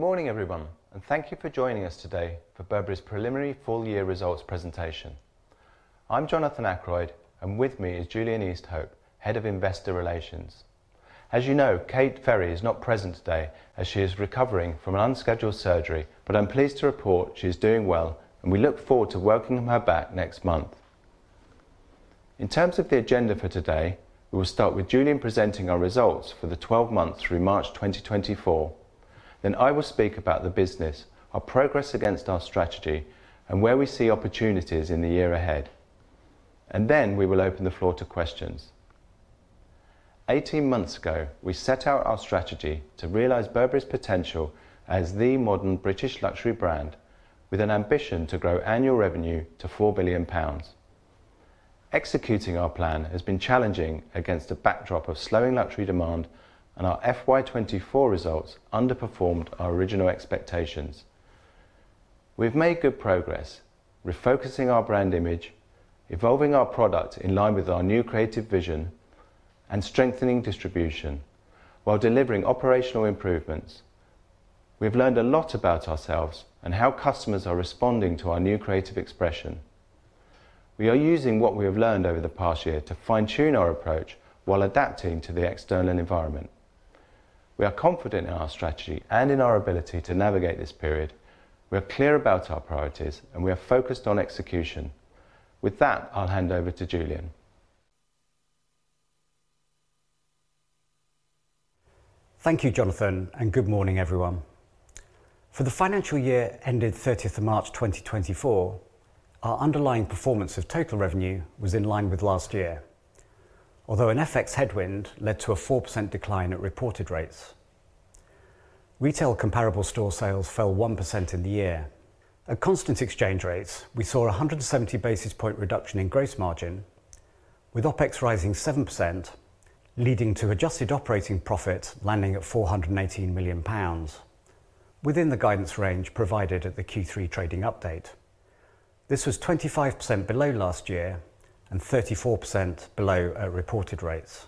Good morning everyone, and thank you for joining us today for Burberry's Preliminary Full-Year Results Presentation. I'm Jonathan Akeroyd, and with me is Julian Easthope, Head of Investor Relations. As you know, Kate Ferry is not present today as she is recovering from an unscheduled surgery, but I'm pleased to report she is doing well and we look forward to welcoming her back next month. In terms of the agenda for today, we will start with Julian presenting our results for the 12 months through March 2024, then I will speak about the business, our progress against our strategy, and where we see opportunities in the year ahead. And then we will open the floor to questions. 18 months ago we set out our strategy to realize Burberry's potential as the modern British luxury brand, with an ambition to grow annual revenue to 4 billion pounds. Executing our plan has been challenging against a backdrop of slowing luxury demand, and our FY24 results underperformed our original expectations. We've made good progress, refocusing our brand image, evolving our product in line with our new creative vision, and strengthening distribution. While delivering operational improvements, we've learned a lot about ourselves and how customers are responding to our new creative expression. We are using what we have learned over the past year to fine-tune our approach while adapting to the external environment. We are confident in our strategy and in our ability to navigate this period. We are clear about our priorities, and we are focused on execution. With that, I'll hand over to Julian. Thank you, Jonathan, and good morning everyone. For the financial year ended 30 March 2024, our underlying performance of total revenue was in line with last year, although an FX headwind led to a 4% decline at reported rates. Retail comparable store sales fell 1% in the year. At constant exchange rates, we saw a 170 basis point reduction in gross margin, with OpEx rising 7%, leading to adjusted operating profit landing at 418 million pounds, within the guidance range provided at the Q3 trading update. This was 25% below last year and 34% below at reported rates.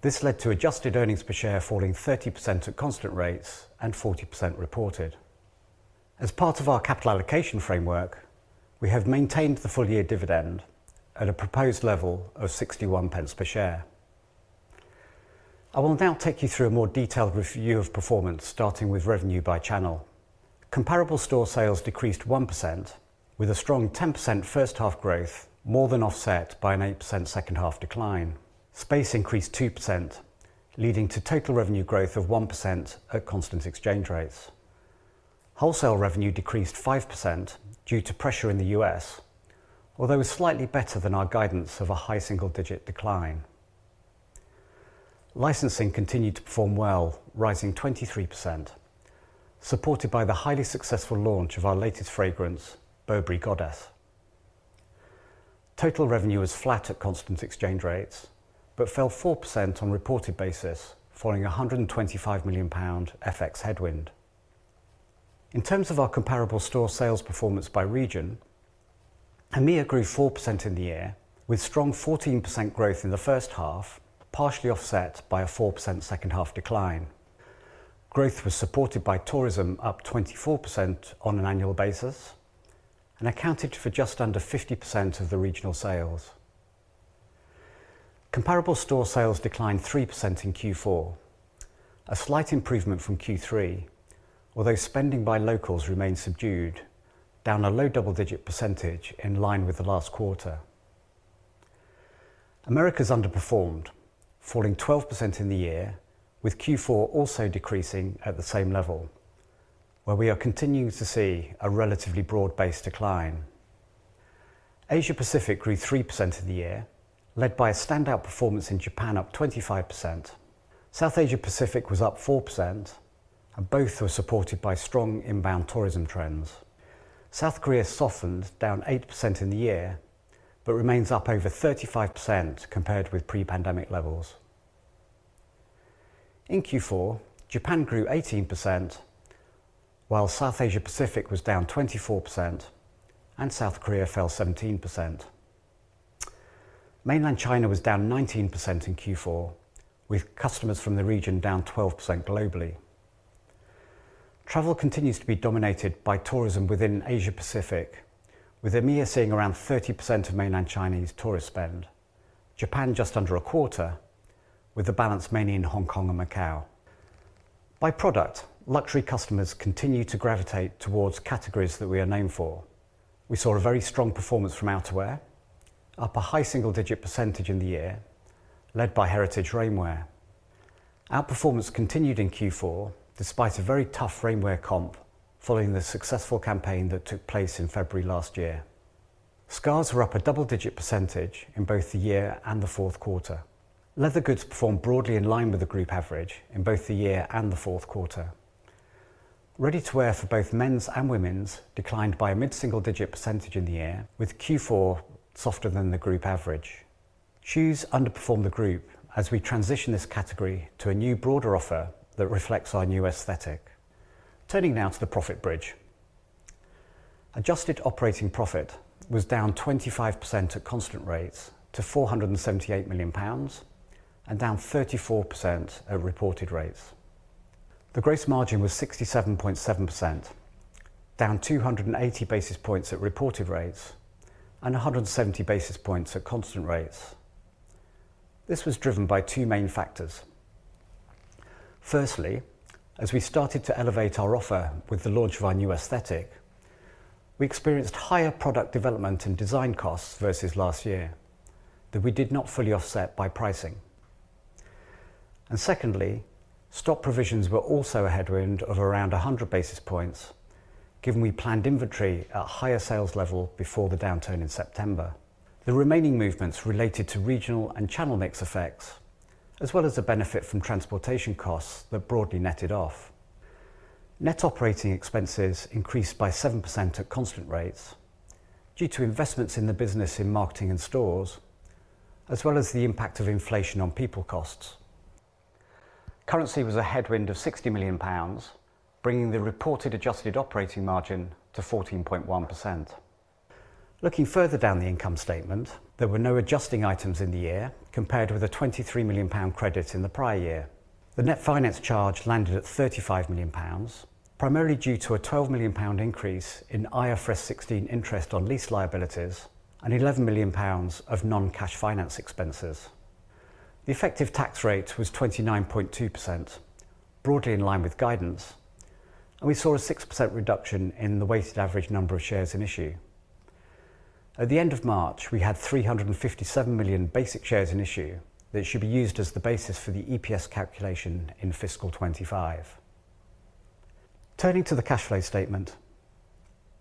This led to adjusted earnings per share falling 30% at constant rates and 40% reported. As part of our capital allocation framework, we have maintained the full-year dividend at a proposed level of 0.61 per share. I will now take you through a more detailed review of performance, starting with revenue by channel. Comparable store sales decreased 1%, with a strong 10% first-half growth more than offset by an 8% second-half decline. Space increased 2%, leading to total revenue growth of 1% at constant exchange rates. Wholesale revenue decreased 5% due to pressure in the US, although it was slightly better than our guidance of a high single-digit decline. Licensing continued to perform well, rising 23%, supported by the highly successful launch of our latest fragrance, Burberry Goddess. Total revenue was flat at constant exchange rates but fell 4% on reported basis following a 125 million pound FX headwind. In terms of our comparable store sales performance by region, EMEIA grew 4% in the year, with strong 14% growth in the first half, partially offset by a 4% second-half decline. Growth was supported by tourism up 24% on an annual basis and accounted for just under 50% of the regional sales. Comparable store sales declined 3% in Q4, a slight improvement from Q3, although spending by locals remained subdued, down a low double-digit percentage in line with the last quarter. Americas underperformed, falling 12% in the year, with Q4 also decreasing at the same level, where we are continuing to see a relatively broad-based decline. Asia Pacific grew 3% in the year, led by a standout performance in Japan up 25%. South Asia Pacific was up 4%, and both were supported by strong inbound tourism trends. South Korea softened, down 8% in the year, but remains up over 35% compared with pre-pandemic levels. In Q4, Japan grew 18%, while South Asia Pacific was down 24%, and South Korea fell 17%. Mainland China was down 19% in Q4, with customers from the region down 12% globally. Travel continues to be dominated by tourism within Asia Pacific, with EMEIA seeing around 30% of mainland Chinese tourist spend, Japan just under a quarter, with the balance mainly in Hong Kong and Macau. By product, luxury customers continue to gravitate towards categories that we are known for. We saw a very strong performance from outerwear, up a high single-digit % in the year, led by Heritage Rainwear. Outperformance continued in Q4 despite a very tough Rainwear comp following the successful campaign that took place in February last year. Scarves were up a double-digit % in both the year and the fourth quarter. Leather goods performed broadly in line with the group average in both the year and the fourth quarter. Ready-to-wear for both men's and women's declined by a mid-single-digit % in the year, with Q4 softer than the group average. Shoes underperformed the group as we transition this category to a new broader offer that reflects our new aesthetic. Turning now to the profit bridge. Adjusted Operating Profit was down 25% at constant rates to 478 million pounds and down 34% at reported rates. The Gross Margin was 67.7%, down 280 basis points at reported rates and 170 basis points at constant rates. This was driven by two main factors. Firstly, as we started to elevate our offer with the launch of our new aesthetic, we experienced higher product development and design costs versus last year, that we did not fully offset by pricing. And secondly, stock provisions were also a headwind of around 100 basis points, given we planned inventory at a higher sales level before the downturn in September. The remaining movements related to regional and channel mix effects, as well as a benefit from transportation costs that broadly netted off. Net operating expenses increased by 7% at constant rates due to investments in the business in marketing and stores, as well as the impact of inflation on people costs. Currency was a headwind of 60 million pounds, bringing the reported adjusted operating margin to 14.1%. Looking further down the income statement, there were no adjusting items in the year compared with a 23 million pound credit in the prior year. The net finance charge landed at 35 million pounds, primarily due to a 12 million pound increase in IFRS 16 interest on lease liabilities and 11 million pounds of non-cash finance expenses. The effective tax rate was 29.2%, broadly in line with the guidance, and we saw a 6% reduction in the weighted average number of shares in issue. At the end of March, we had 357 million basic shares in issue that should be used as the basis for the EPS calculation in fiscal 2025. Turning to the cash flow statement.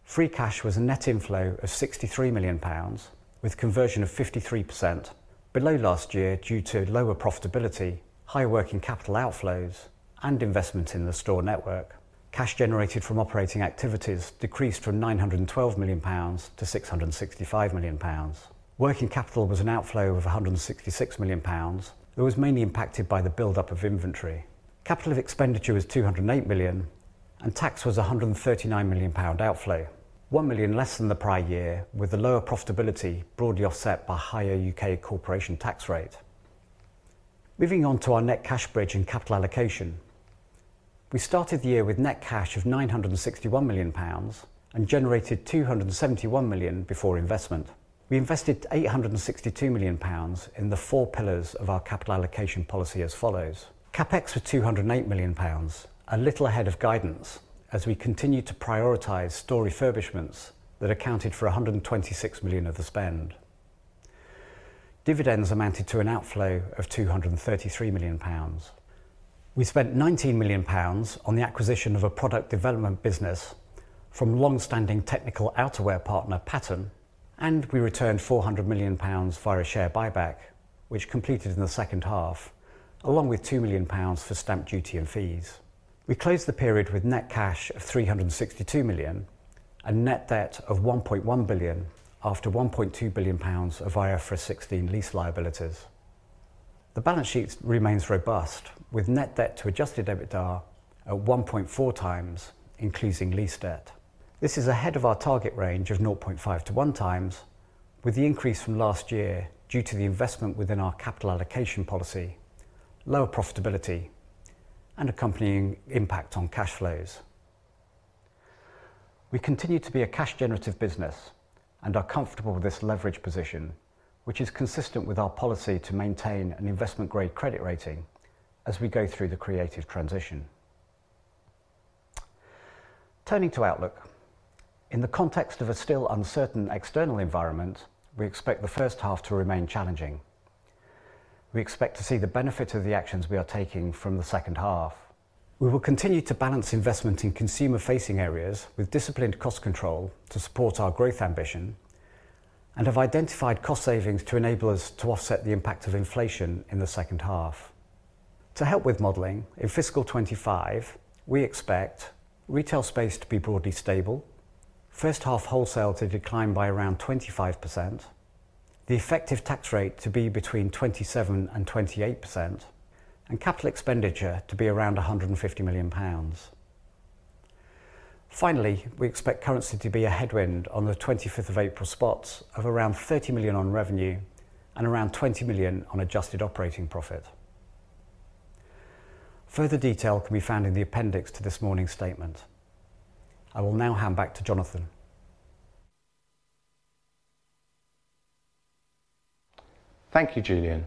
Free cash flow was a net inflow of 63 million pounds, with conversion of 53% below last year due to lower profitability, higher working capital outflows, and investment in the store network. Cash generated from operating activities decreased from 912 million pounds to 665 million pounds. Working capital was an outflow of 166 million pounds that was mainly impacted by the buildup of inventory. Capital expenditure was 208 million, and tax was a 139 million pound outflow, 1 million less than the prior year, with the lower profitability broadly offset by higher UK corporation tax rate. Moving on to our net cash bridge and capital allocation. We started the year with net cash of 961 million pounds and generated 271 million before investment. We invested 862 million pounds in the four pillars of our capital allocation policy as follows. CapEx was 208 million pounds, a little ahead of guidance as we continued to prioritize store refurbishments that accounted for 126 million of the spend. Dividends amounted to an outflow of 233 million pounds. We spent 19 million pounds on the acquisition of a product development business from longstanding technical outerwear partner Pattern, and we returned 400 million pounds via a share buyback, which completed in the second half, along with 2 million pounds for stamp duty and fees. We closed the period with net cash of 362 million and net debt of 1.1 billion after 1.2 billion pounds via IFRS 16 lease liabilities. The balance sheet remains robust, with net debt to adjusted EBITDA at 1.4 times including lease debt. This is ahead of our target range of 0.5-1 times, with the increase from last year due to the investment within our capital allocation policy, lower profitability, and accompanying impact on cash flows. We continue to be a cash-generative business and are comfortable with this leverage position, which is consistent with our policy to maintain an investment-grade credit rating as we go through the creative transition. Turning to outlook. In the context of a still uncertain external environment, we expect the first half to remain challenging. We expect to see the benefit of the actions we are taking from the second half. We will continue to balance investment in consumer-facing areas with disciplined cost control to support our growth ambition and have identified cost savings to enable us to offset the impact of inflation in the second half. To help with modeling, in fiscal 2025, we expect retail space to be broadly stable, first-half wholesale to decline by around 25%, the effective tax rate to be between 27% and 28%, and capital expenditure to be around 150 million pounds. Finally, we expect currency to be a headwind on the 2025 April spot of around 30 million on revenue and around 20 million on adjusted operating profit. Further detail can be found in the appendix to this morning's statement. I will now hand back to Jonathan. Thank you, Julian.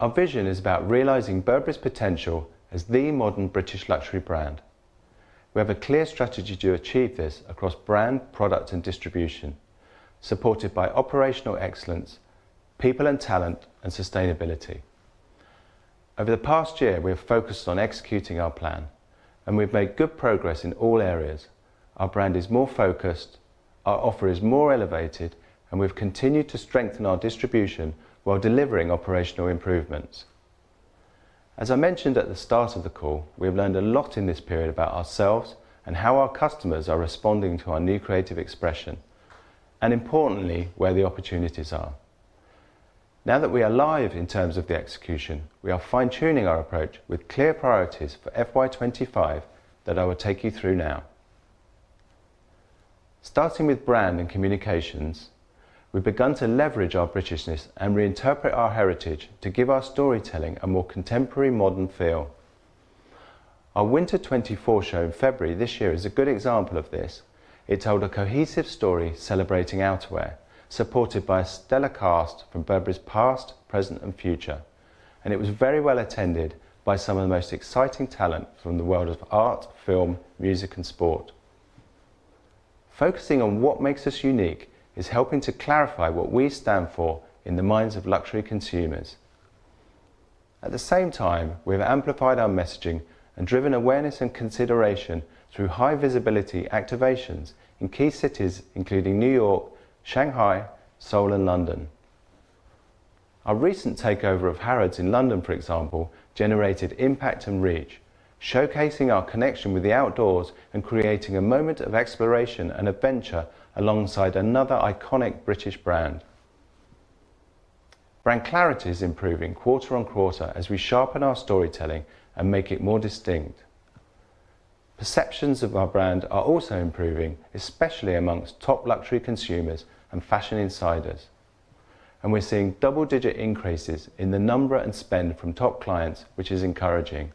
Our vision is about realizing Burberry's potential as the modern British luxury brand. We have a clear strategy to achieve this across brand, product, and distribution, supported by operational excellence, people and talent, and sustainability. Over the past year, we have focused on executing our plan, and we've made good progress in all areas. Our brand is more focused, our offer is more elevated, and we've continued to strengthen our distribution while delivering operational improvements. As I mentioned at the start of the call, we have learned a lot in this period about ourselves and how our customers are responding to our new creative expression, and importantly, where the opportunities are. Now that we are live in terms of the execution, we are fine-tuning our approach with clear priorities for FY25 that I will take you through now. Starting with brand and communications, we've begun to leverage our Britishness and reinterpret our heritage to give our storytelling a more contemporary, modern feel. Our Winter 2024 show in February this year is a good example of this. It told a cohesive story celebrating outerwear, supported by a stellar cast from Burberry's past, present, and future, and it was very well attended by some of the most exciting talent from the world of art, film, music, and sport. Focusing on what makes us unique is helping to clarify what we stand for in the minds of luxury consumers. At the same time, we have amplified our messaging and driven awareness and consideration through high-visibility activations in key cities including New York, Shanghai, Seoul, and London. Our recent takeover of Harrods in London, for example, generated impact and reach, showcasing our connection with the outdoors and creating a moment of exploration and adventure alongside another iconic British brand. Brand clarity is improving quarter on quarter as we sharpen our storytelling and make it more distinct. Perceptions of our brand are also improving, especially among top luxury consumers and fashion insiders, and we're seeing double-digit increases in the number and spend from top clients, which is encouraging.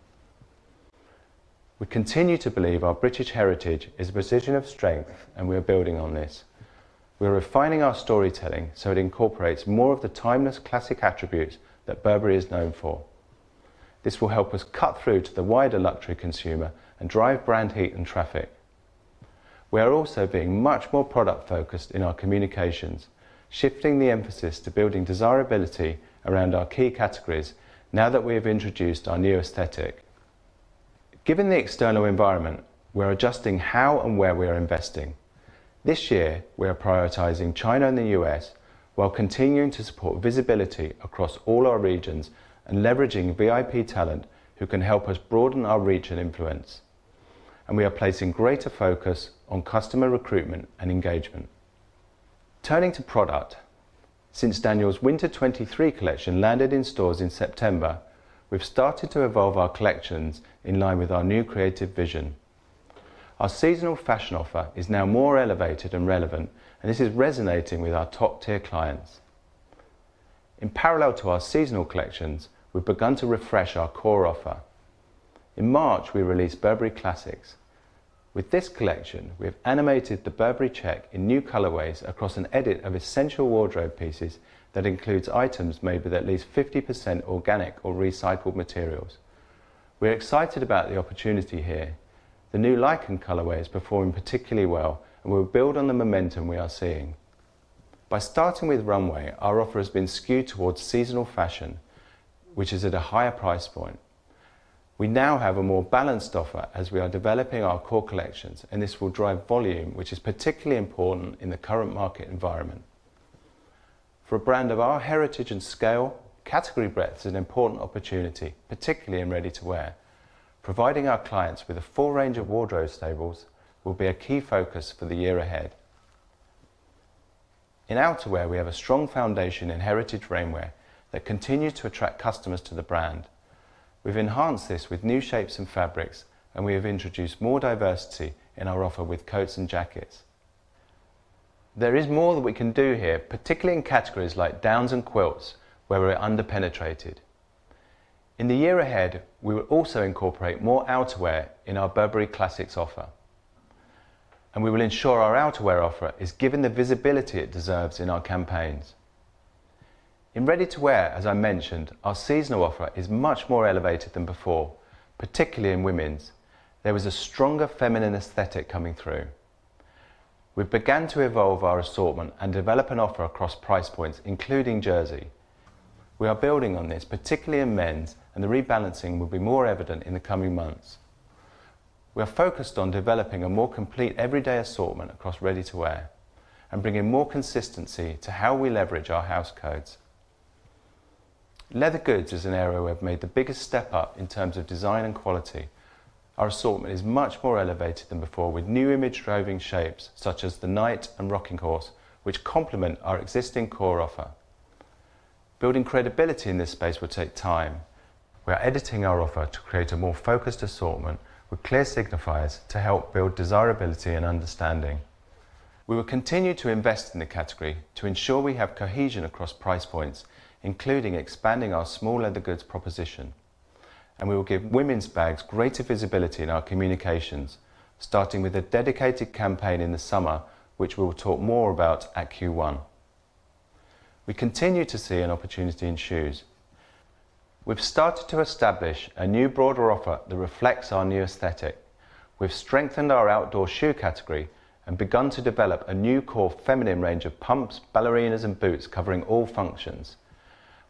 We continue to believe our British heritage is a position of strength, and we are building on this. We are refining our storytelling so it incorporates more of the timeless classic attributes that Burberry is known for. This will help us cut through to the wider luxury consumer and drive brand heat and traffic. We are also being much more product-focused in our communications, shifting the emphasis to building desirability around our key categories now that we have introduced our new aesthetic. Given the external environment, we are adjusting how and where we are investing. This year, we are prioritizing China and the U.S. while continuing to support visibility across all our regions and leveraging VIP talent who can help us broaden our reach and influence, and we are placing greater focus on customer recruitment and engagement. Turning to product. Since Daniel's Winter 2023 collection landed in stores in September, we've started to evolve our collections in line with our new creative vision. Our seasonal fashion offer is now more elevated and relevant, and this is resonating with our top-tier clients. In parallel to our seasonal collections, we've begun to refresh our core offer. In March, we released Burberry Classics. With this collection, we have animated the Burberry Check in new colorways across an edit of essential wardrobe pieces that includes items made with at least 50% organic or recycled materials. We are excited about the opportunity here. The new lichen colorway is performing particularly well, and we will build on the momentum we are seeing. By starting with Runway, our offer has been skewed towards seasonal fashion, which is at a higher price point. We now have a more balanced offer as we are developing our core collections, and this will drive volume, which is particularly important in the current market environment. For a brand of our heritage and scale, category breadth is an important opportunity, particularly in ready-to-wear. Providing our clients with a full range of wardrobe staples will be a key focus for the year ahead. In outerwear, we have a strong foundation in Heritage Rainwear that continues to attract customers to the brand. We've enhanced this with new shapes and fabrics, and we have introduced more diversity in our offer with coats and jackets. There is more that we can do here, particularly in categories like downs and quilts, where we're under-penetrated. In the year ahead, we will also incorporate more outerwear in our Burberry Classics offer, and we will ensure our outerwear offer is given the visibility it deserves in our campaigns. In ready-to-wear, as I mentioned, our seasonal offer is much more elevated than before, particularly in women's. There was a stronger feminine aesthetic coming through. We've begun to evolve our assortment and develop an offer across price points, including jersey. We are building on this, particularly in men's, and the rebalancing will be more evident in the coming months. We are focused on developing a more complete everyday assortment across ready-to-wear and bringing more consistency to how we leverage our house codes. Leather goods is an area we have made the biggest step up in terms of design and quality. Our assortment is much more elevated than before, with new image-driving shapes such as the Knight and Rocking Horse, which complement our existing core offer. Building credibility in this space will take time. We are editing our offer to create a more focused assortment with clear signifiers to help build desirability and understanding. We will continue to invest in the category to ensure we have cohesion across price points, including expanding our small leather goods proposition, and we will give women's bags greater visibility in our communications, starting with a dedicated campaign in the summer, which we will talk more about at Q1. We continue to see an opportunity in shoes. We've started to establish a new broader offer that reflects our new aesthetic. We've strengthened our outdoor shoe category and begun to develop a new core feminine range of pumps, ballerinas, and boots covering all functions.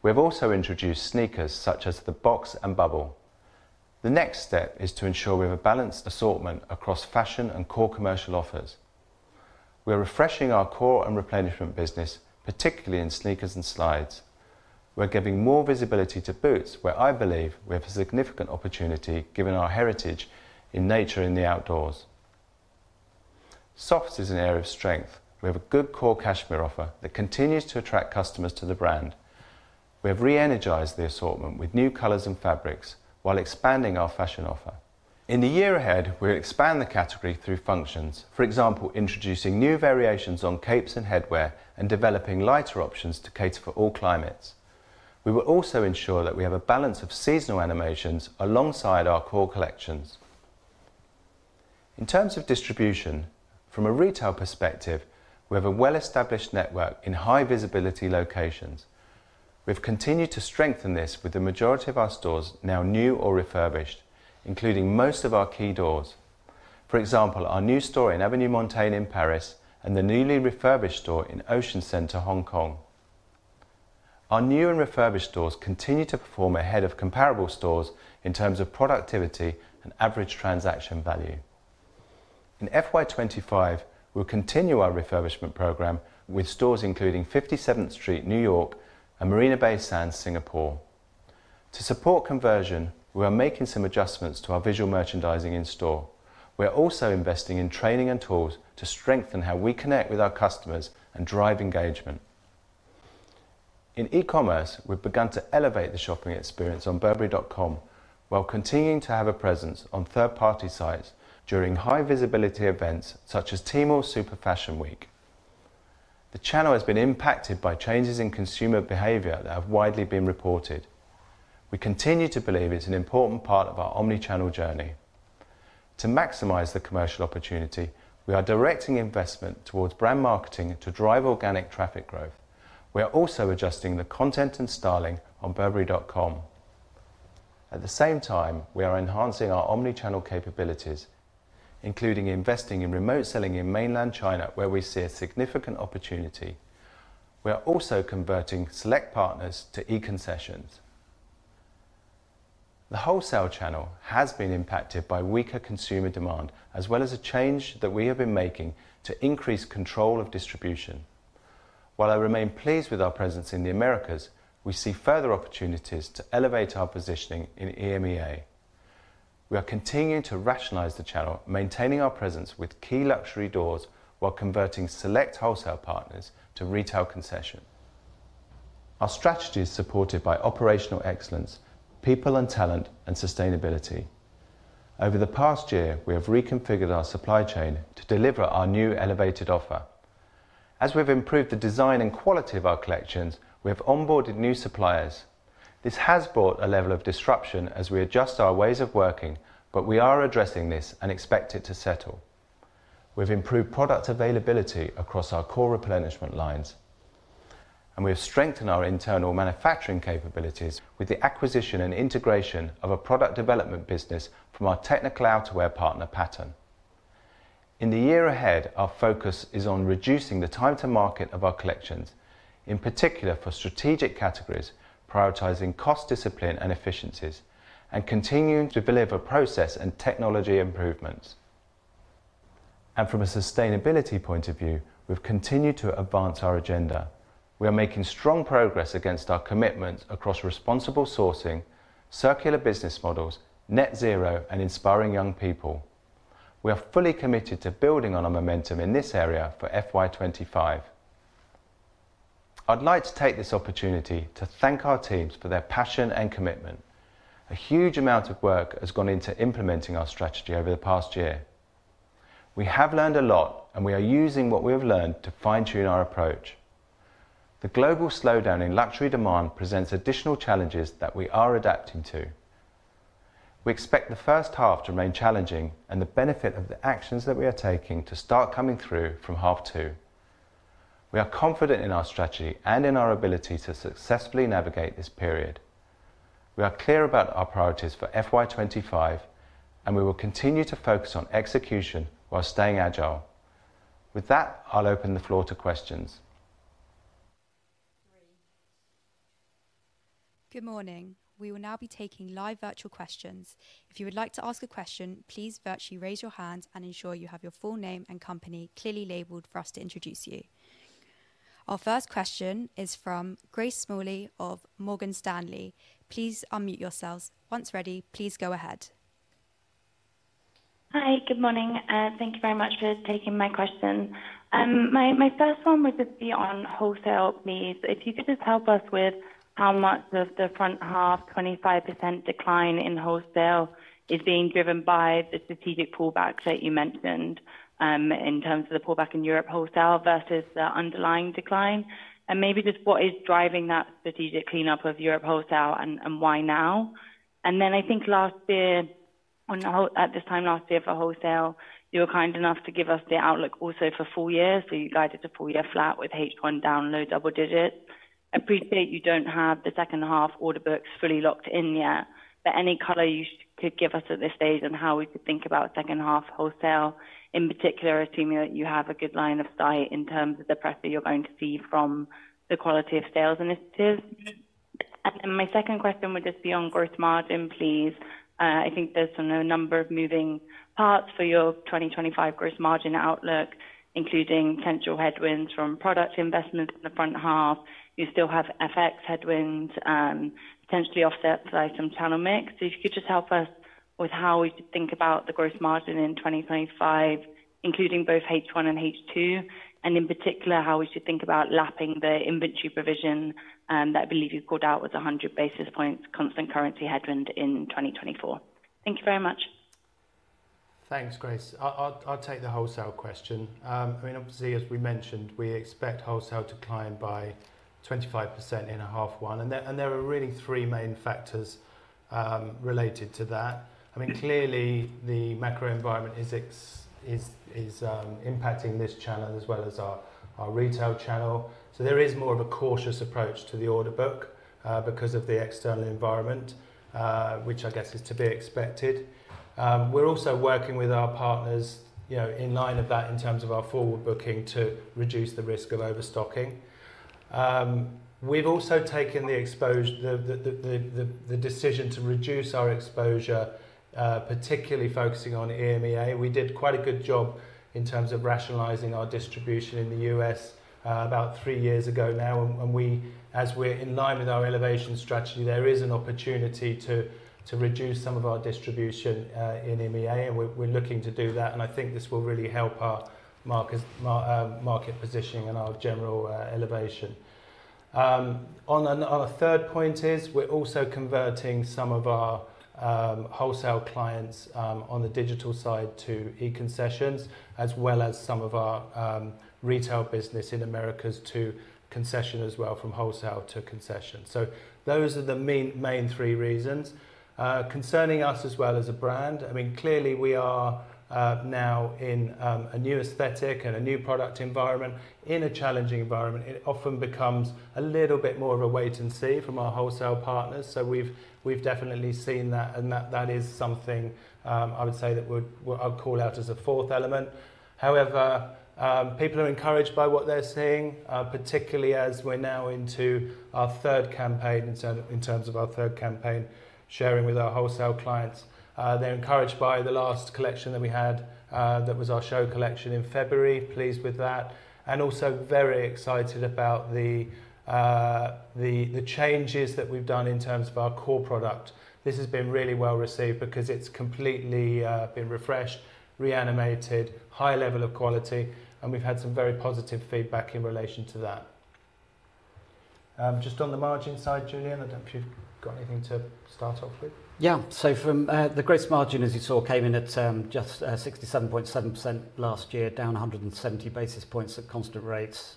We have also introduced sneakers such as the Box and Bubble. The next step is to ensure we have a balanced assortment across fashion and core commercial offers. We are refreshing our core and replenishment business, particularly in sneakers and slides. We are giving more visibility to boots, where I believe we have a significant opportunity given our heritage in nature in the outdoors. Softs is an area of strength. We have a good core cashmere offer that continues to attract customers to the brand. We have re-energized the assortment with new colors and fabrics while expanding our fashion offer. In the year ahead, we will expand the category through functions, for example, introducing new variations on capes and headwear and developing lighter options to cater for all climates. We will also ensure that we have a balance of seasonal animations alongside our core collections. In terms of distribution, from a retail perspective, we have a well-established network in high-visibility locations. We have continued to strengthen this with the majority of our stores now new or refurbished, including most of our key doors. For example, our new store in Avenue Montaigne in Paris and the newly refurbished store in Ocean Centre, Hong Kong. Our new and refurbished stores continue to perform ahead of comparable stores in terms of productivity and average transaction value. In FY25, we will continue our refurbishment program with stores including 57th Street, New York, and Marina Bay Sands, Singapore. To support conversion, we are making some adjustments to our visual merchandising in store. We are also investing in training and tools to strengthen how we connect with our customers and drive engagement. In e-commerce, we've begun to elevate the shopping experience on Burberry.com while continuing to have a presence on third-party sites during high-visibility events such as Tmall Super Fashion Week. The channel has been impacted by changes in consumer behavior that have widely been reported. We continue to believe it's an important part of our omnichannel journey. To maximize the commercial opportunity, we are directing investment towards brand marketing to drive organic traffic growth. We are also adjusting the content and styling on Burberry.com. At the same time, we are enhancing our omnichannel capabilities, including investing in remote selling in mainland China, where we see a significant opportunity. We are also converting select partners to e-concessions. The wholesale channel has been impacted by weaker consumer demand as well as a change that we have been making to increase control of distribution. While I remain pleased with our presence in the Americas, we see further opportunities to elevate our positioning in EMEIA. We are continuing to rationalize the channel, maintaining our presence with key luxury doors while converting select wholesale partners to retail concessions. Our strategy is supported by operational excellence, people and talent, and sustainability. Over the past year, we have reconfigured our supply chain to deliver our new elevated offer. As we've improved the design and quality of our collections, we have onboarded new suppliers. This has brought a level of disruption as we adjust our ways of working, but we are addressing this and expect it to settle. We've improved product availability across our core replenishment lines, and we have strengthened our internal manufacturing capabilities with the acquisition and integration of a product development business from our technical outerwear partner, Pattern. In the year ahead, our focus is on reducing the time-to-market of our collections, in particular for strategic categories, prioritizing cost discipline and efficiencies, and continuing to deliver process and technology improvements. From a sustainability point of view, we've continued to advance our agenda. We are making strong progress against our commitments across responsible sourcing, circular business models, Net Zero, and inspiring young people. We are fully committed to building on our momentum in this area for FY25. I'd like to take this opportunity to thank our teams for their passion and commitment. A huge amount of work has gone into implementing our strategy over the past year. We have learned a lot, and we are using what we have learned to fine-tune our approach. The global slowdown in luxury demand presents additional challenges that we are adapting to. We expect the first half to remain challenging, and the benefit of the actions that we are taking to start coming through from half two. We are confident in our strategy and in our ability to successfully navigate this period. We are clear about our priorities for FY25, and we will continue to focus on execution while staying agile. With that, I'll open the floor to questions. Good morning. We will now be taking live virtual questions. If you would like to ask a question, please virtually raise your hand and ensure you have your full name and company clearly labelled for us to introduce you. Our first question is from Grace Smalley of Morgan Stanley. Please unmute yourselves. Once ready, please go ahead. Hi. Good morning. Thank you very much for taking my question. My first one would just be on wholesale needs. If you could just help us with how much of the front half, 25% decline in wholesale, is being driven by the strategic pullback that you mentioned in terms of the pullback in Europe wholesale versus the underlying decline, and maybe just what is driving that strategic cleanup of Europe wholesale and why now. And then I think last year, at this time last year for wholesale, you were kind enough to give us the outlook also for full year, so you guided a full year flat with H1 down low double digits. Appreciate you don't have the second half order books fully locked in yet, but any color you could give us at this stage on how we could think about second half wholesale, in particular assuming that you have a good line of sight in terms of the pressure you're going to see from the quality of sales initiatives. Then my second question would just be on gross margin, please. I think there's a number of moving parts for your 2025 gross margin outlook, including potential headwinds from product investments in the front half. You still have FX headwinds, potentially offset by channel mix. So if you could just help us with how we should think about the gross margin in 2025, including both H1 and H2, and in particular how we should think about lapping the inventory provision that I believe you called out was 100 basis points constant currency headwind in 2024? Thank you very much. Thanks, Grace. I'll take the wholesale question. I mean, obviously, as we mentioned, we expect wholesale decline by 25% in half one, and there are really three main factors related to that. I mean, clearly, the macro environment is impacting this channel as well as our retail channel. So there is more of a cautious approach to the order book because of the external environment, which I guess is to be expected. We're also working with our partners in line of that in terms of our forward booking to reduce the risk of overstocking. We've also taken the decision to reduce our exposure, particularly focusing on EMEA. We did quite a good job in terms of rationalizing our distribution in the US about three years ago now, and as we're in line with our elevation strategy, there is an opportunity to reduce some of our distribution in EMEA, and we're looking to do that. And I think this will really help our market positioning and our general elevation. On a third point is we're also converting some of our wholesale clients on the digital side to e-concessions, as well as some of our retail business in Americas to concession as well, from wholesale to concession. So those are the main three reasons. Concerning us as well as a brand, I mean, clearly we are now in a new aesthetic and a new product environment, in a challenging environment. It often becomes a little bit more of a wait-and-see from our wholesale partners. So we've definitely seen that, and that is something I would say that I'd call out as a fourth element. However, people are encouraged by what they're seeing, particularly as we're now into our third campaign in terms of our third campaign sharing with our wholesale clients. They're encouraged by the last collection that we had that was our show collection in February. Pleased with that. And also very excited about the changes that we've done in terms of our core product. This has been really well received because it's completely been refreshed, reanimated, high level of quality, and we've had some very positive feedback in relation to that. Just on the margin side, Julian, I don't know if you've got anything to start off with. Yeah. So the gross margin, as you saw, came in at just 67.7% last year, down 170 basis points at constant rates.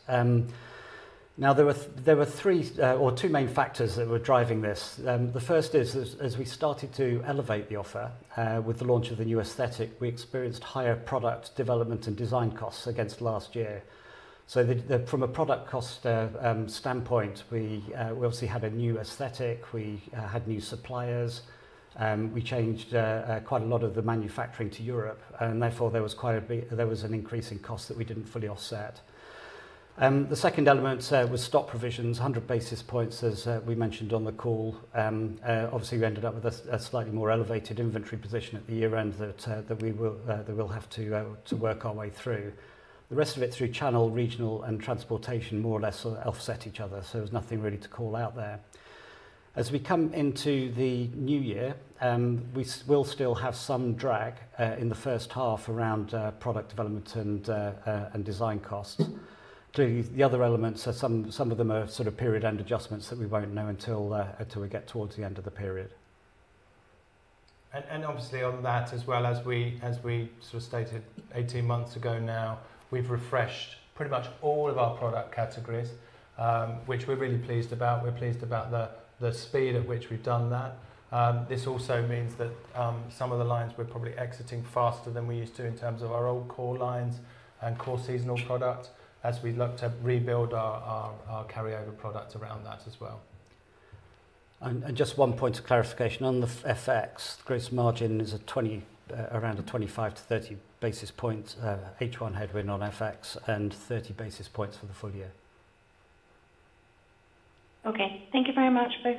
Now, there were three or two main factors that were driving this. The first is as we started to elevate the offer with the launch of the new aesthetic, we experienced higher product development and design costs against last year. So from a product cost standpoint, we obviously had a new aesthetic. We had new suppliers. We changed quite a lot of the manufacturing to Europe, and therefore there was quite an increasing cost that we didn't fully offset. The second element was stock provisions, 100 basis points, as we mentioned on the call. Obviously, we ended up with a slightly more elevated inventory position at the year-end that we will have to work our way through. The rest of it through channel, regional, and transactional, more or less, offset each other, so there's nothing really to call out there. As we come into the new year, we will still have some drag in the first half around product development and design costs. Clearly, the other elements, some of them are sort of period-end adjustments that we won't know until we get towards the end of the period. Obviously, on that, as well as we sort of stated 18 months ago now, we've refreshed pretty much all of our product categories, which we're really pleased about. We're pleased about the speed at which we've done that. This also means that some of the lines we're probably exiting faster than we used to in terms of our old core lines and core seasonal product as we look to rebuild our carryover product around that as well. Just one point of clarification on the FX, the gross margin is around a 25-30 basis point H1 headwind on FX and 30 basis points for the full year. Okay. Thank you very much, both.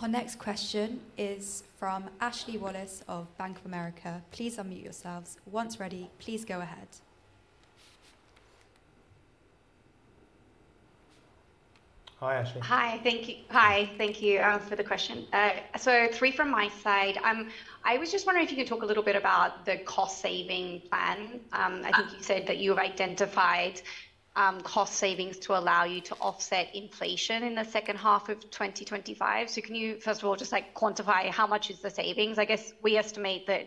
Our next question is from Ashley Wallace of Bank of America. Please unmute yourselves. Once ready, please go ahead. Hi, Ashley. Hi. Hi. Thank you for the question. So three from my side. I was just wondering if you could talk a little bit about the cost-saving plan. I think you said that you have identified cost savings to allow you to offset inflation in the second half of 2025. So can you, first of all, just quantify how much is the savings? I guess we estimate that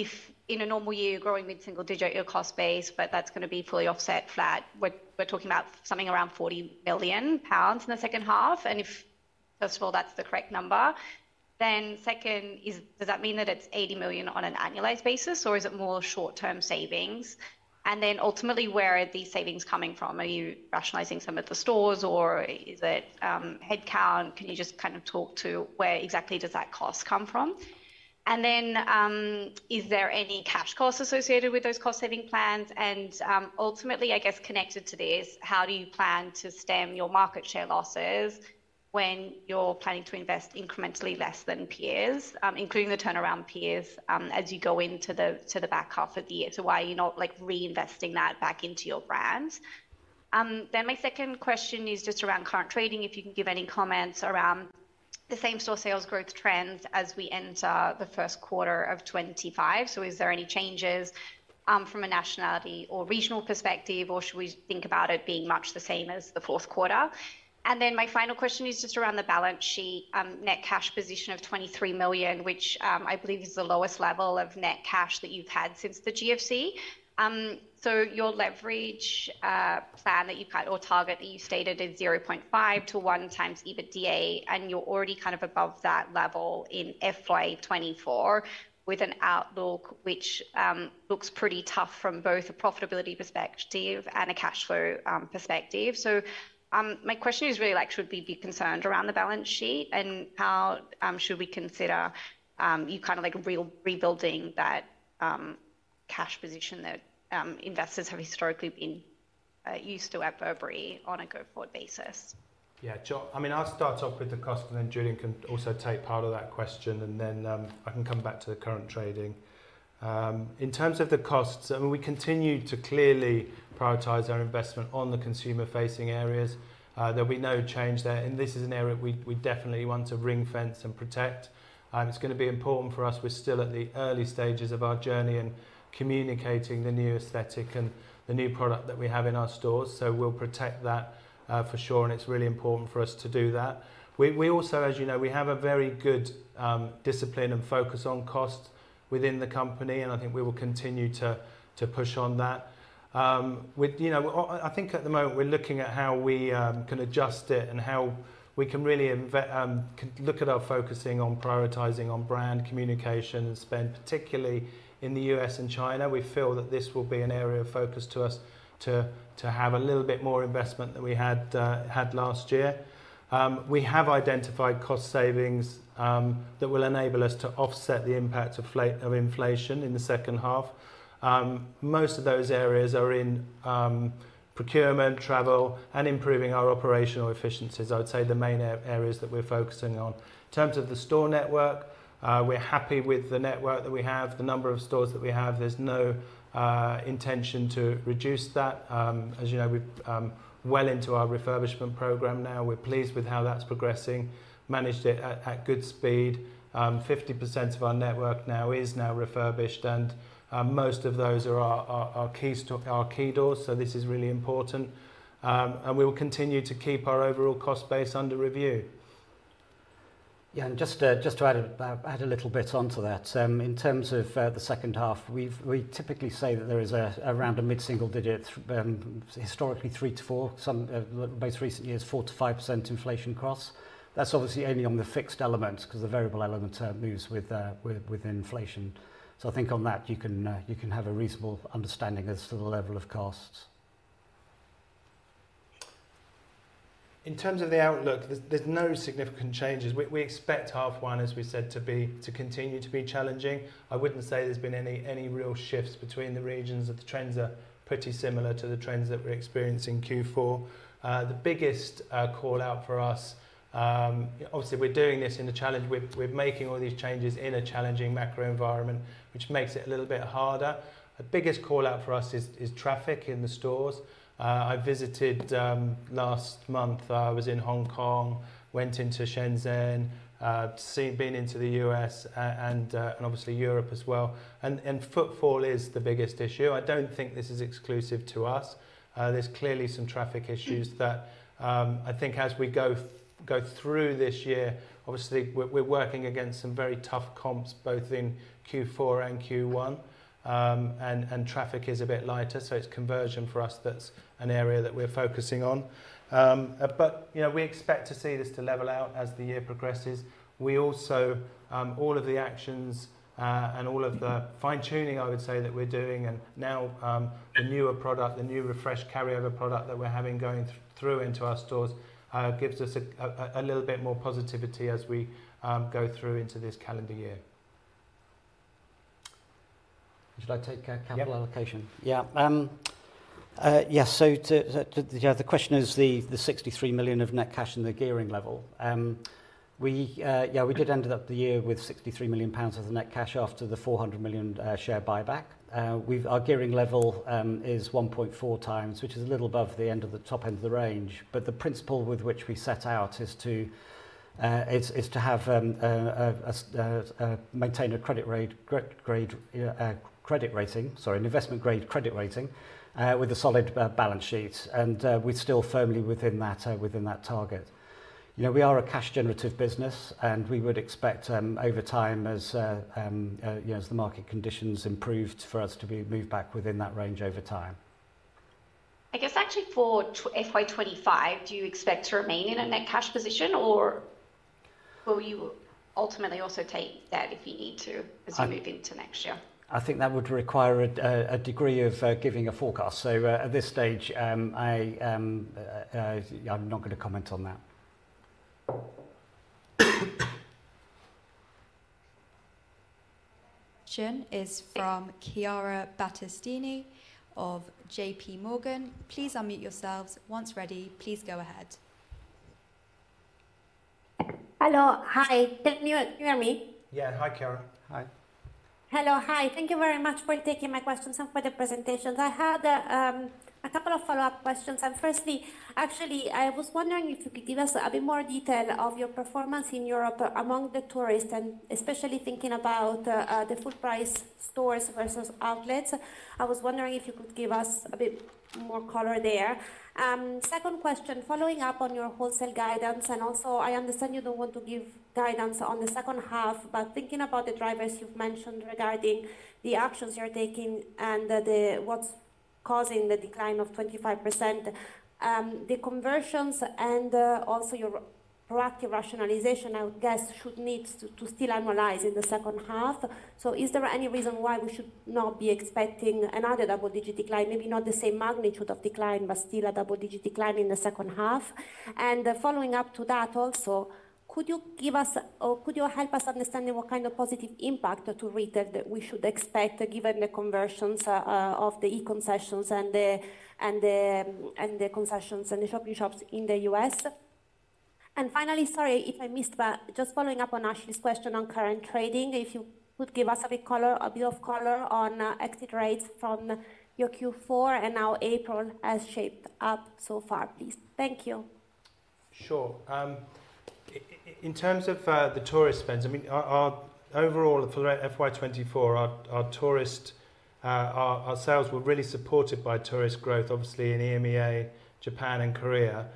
if in a normal year, you're growing mid-single digit, your cost base, but that's going to be fully offset, flat. We're talking about something around 40 million pounds in the second half. And if, first of all, that's the correct number, then second, does that mean that it's 80 million on an annualized basis, or is it more short-term savings? And then ultimately, where are these savings coming from? Are you rationalizing some of the stores, or is it headcount? Can you just kind of talk to where exactly does that cost come from? And then is there any cash cost associated with those cost-saving plans? And ultimately, I guess connected to this, how do you plan to stem your market share losses when you're planning to invest incrementally less than peers, including the turnaround peers, as you go into the back half of the year? So why are you not reinvesting that back into your brands? Then my second question is just around current trading, if you can give any comments around the same store sales growth trends as we enter the first quarter of 2025. So is there any changes from a nationality or regional perspective, or should we think about it being much the same as the fourth quarter? My final question is just around the balance sheet, net cash position of 23 million, which I believe is the lowest level of net cash that you've had since the GFC. So your leverage plan that you or target that you stated is 0.5-1 times EBITDA, and you're already kind of above that level in FY24 with an outlook which looks pretty tough from both a profitability perspective and a cash flow perspective. So my question is really should we be concerned around the balance sheet, and how should we consider you kind of rebuilding that cash position that investors have historically been used to at Burberry on a go-forward basis? Yeah. I mean, I'll start off with the costs, and then Julian can also take part of that question, and then I can come back to the current trading. In terms of the costs, I mean, we continue to clearly prioritize our investment on the consumer-facing areas. There'll be no change there. And this is an area we definitely want to ring-fence and protect. It's going to be important for us. We're still at the early stages of our journey in communicating the new aesthetic and the new product that we have in our stores. So we'll protect that for sure, and it's really important for us to do that. We also, as you know, we have a very good discipline and focus on costs within the company, and I think we will continue to push on that. I think at the moment we're looking at how we can adjust it and how we can really look at our focusing on prioritizing on brand communication and spend, particularly in the US and China. We feel that this will be an area of focus to us to have a little bit more investment than we had last year. We have identified cost savings that will enable us to offset the impact of inflation in the second half. Most of those areas are in procurement, travel, and improving our operational efficiencies, I would say the main areas that we're focusing on. In terms of the store network, we're happy with the network that we have, the number of stores that we have. There's no intention to reduce that. As you know, we're well into our refurbishment program now. We're pleased with how that's progressing, managed it at good speed. 50% of our network now is refurbished, and most of those are our key doors. So this is really important, and we will continue to keep our overall cost base under review. Yeah. And just to add a little bit onto that, in terms of the second half, we typically say that there is around a mid-single digit, historically 3-4, most recent years 4-5% inflation costs. That's obviously only on the fixed elements because the variable element moves with inflation. So I think on that, you can have a reasonable understanding as to the level of costs. In terms of the outlook, there's no significant changes. We expect half one, as we said, to continue to be challenging. I wouldn't say there's been any real shifts between the regions, that the trends are pretty similar to the trends that we're experiencing Q4. The biggest callout for us, obviously, we're doing this in a challenge. We're making all these changes in a challenging macro environment, which makes it a little bit harder. The biggest callout for us is traffic in the stores. I visited last month. I was in Hong Kong, went into Shenzhen, been into the US, and obviously Europe as well. And footfall is the biggest issue. I don't think this is exclusive to us. There's clearly some traffic issues that I think as we go through this year, obviously, we're working against some very tough comps both in Q4 and Q1, and traffic is a bit lighter. So it's conversion for us that's an area that we're focusing on. But we expect to see this to level out as the year progresses. All of the actions and all of the fine-tuning, I would say, that we're doing, and now the newer product, the new refreshed carryover product that we're having going through into our stores, gives us a little bit more positivity as we go through into this calendar year. Should I take capital allocation? Yeah. Yes. So the question is the 63 million of net cash and the gearing level. Yeah, we did end up the year with 63 million pounds of the net cash after the 400 million share buyback. Our gearing level is 1.4 times, which is a little above the top end of the range. But the principle with which we set out is to maintain a credit rating, sorry, an investment-grade credit rating, with a solid balance sheet, and we're still firmly within that target. We are a cash-generative business, and we would expect over time, as the market conditions improved, for us to move back within that range over time. I guess actually for FY25, do you expect to remain in a net cash position, or will you ultimately also take that if you need to as you move into next year? I think that would require a degree of giving a forecast. At this stage, I'm not going to comment on that. Question is from Chiara Battistini of JP Morgan. Please unmute yourselves. Once ready, please go ahead. Hello. Hi. Can you hear me? Yeah. Hi, Chiara. Hi. Hello. Hi. Thank you very much for taking my questions and for the presentations. I had a couple of follow-up questions. Firstly, actually, I was wondering if you could give us a bit more detail of your performance in Europe among the tourists, and especially thinking about the full-price stores versus outlets. I was wondering if you could give us a bit more color there. Second question, following up on your wholesale guidance. Also, I understand you don't want to give guidance on the second half, but thinking about the drivers you've mentioned regarding the actions you're taking and what's causing the decline of 25%, the conversions and also your proactive rationalization, I would guess, should need to still annualize in the second half. So is there any reason why we should not be expecting another double-digit decline? Maybe not the same magnitude of decline, but still a double-digit decline in the second half. Following up to that also, could you give us or could you help us understanding what kind of positive impact to retail that we should expect given the conversions of the e-concessions and the concessions and the shopping shops in the US? Finally, sorry if I missed, but just following up on Ashley's question on current trading, if you could give us a bit of color on exit rates from your Q4 and how April has shaped up so far, please? Thank you. Sure. In terms of the tourist spends, I mean, overall for FY2024, our sales were really supported by tourist growth, obviously, in EMEA, Japan, and Korea.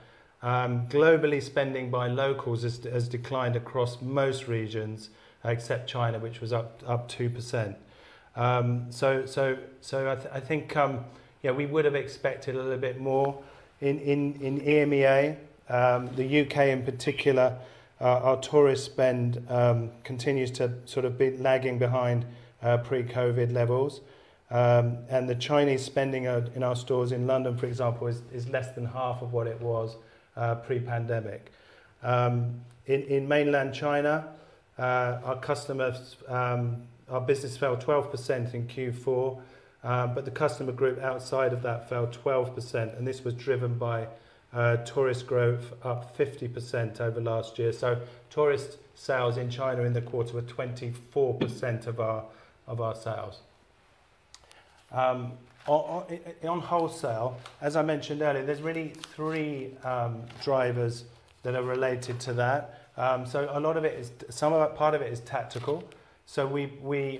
Globally, spending by locals has declined across most regions except China, which was up 2%. So I think we would have expected a little bit more. In EMEA, the U.K. in particular, our tourist spend continues to sort of be lagging behind pre-COVID levels. And the Chinese spending in our stores in London, for example, is less than half of what it was pre-pandemic. In mainland China, our business fell 12% in Q4, but the customer group outside of that fell 12%. And this was driven by tourist growth up 50% over last year. So tourist sales in China in the quarter were 24% of our sales. On wholesale, as I mentioned earlier, there's really three drivers that are related to that. So a lot of it is some of that part of it is tactical. We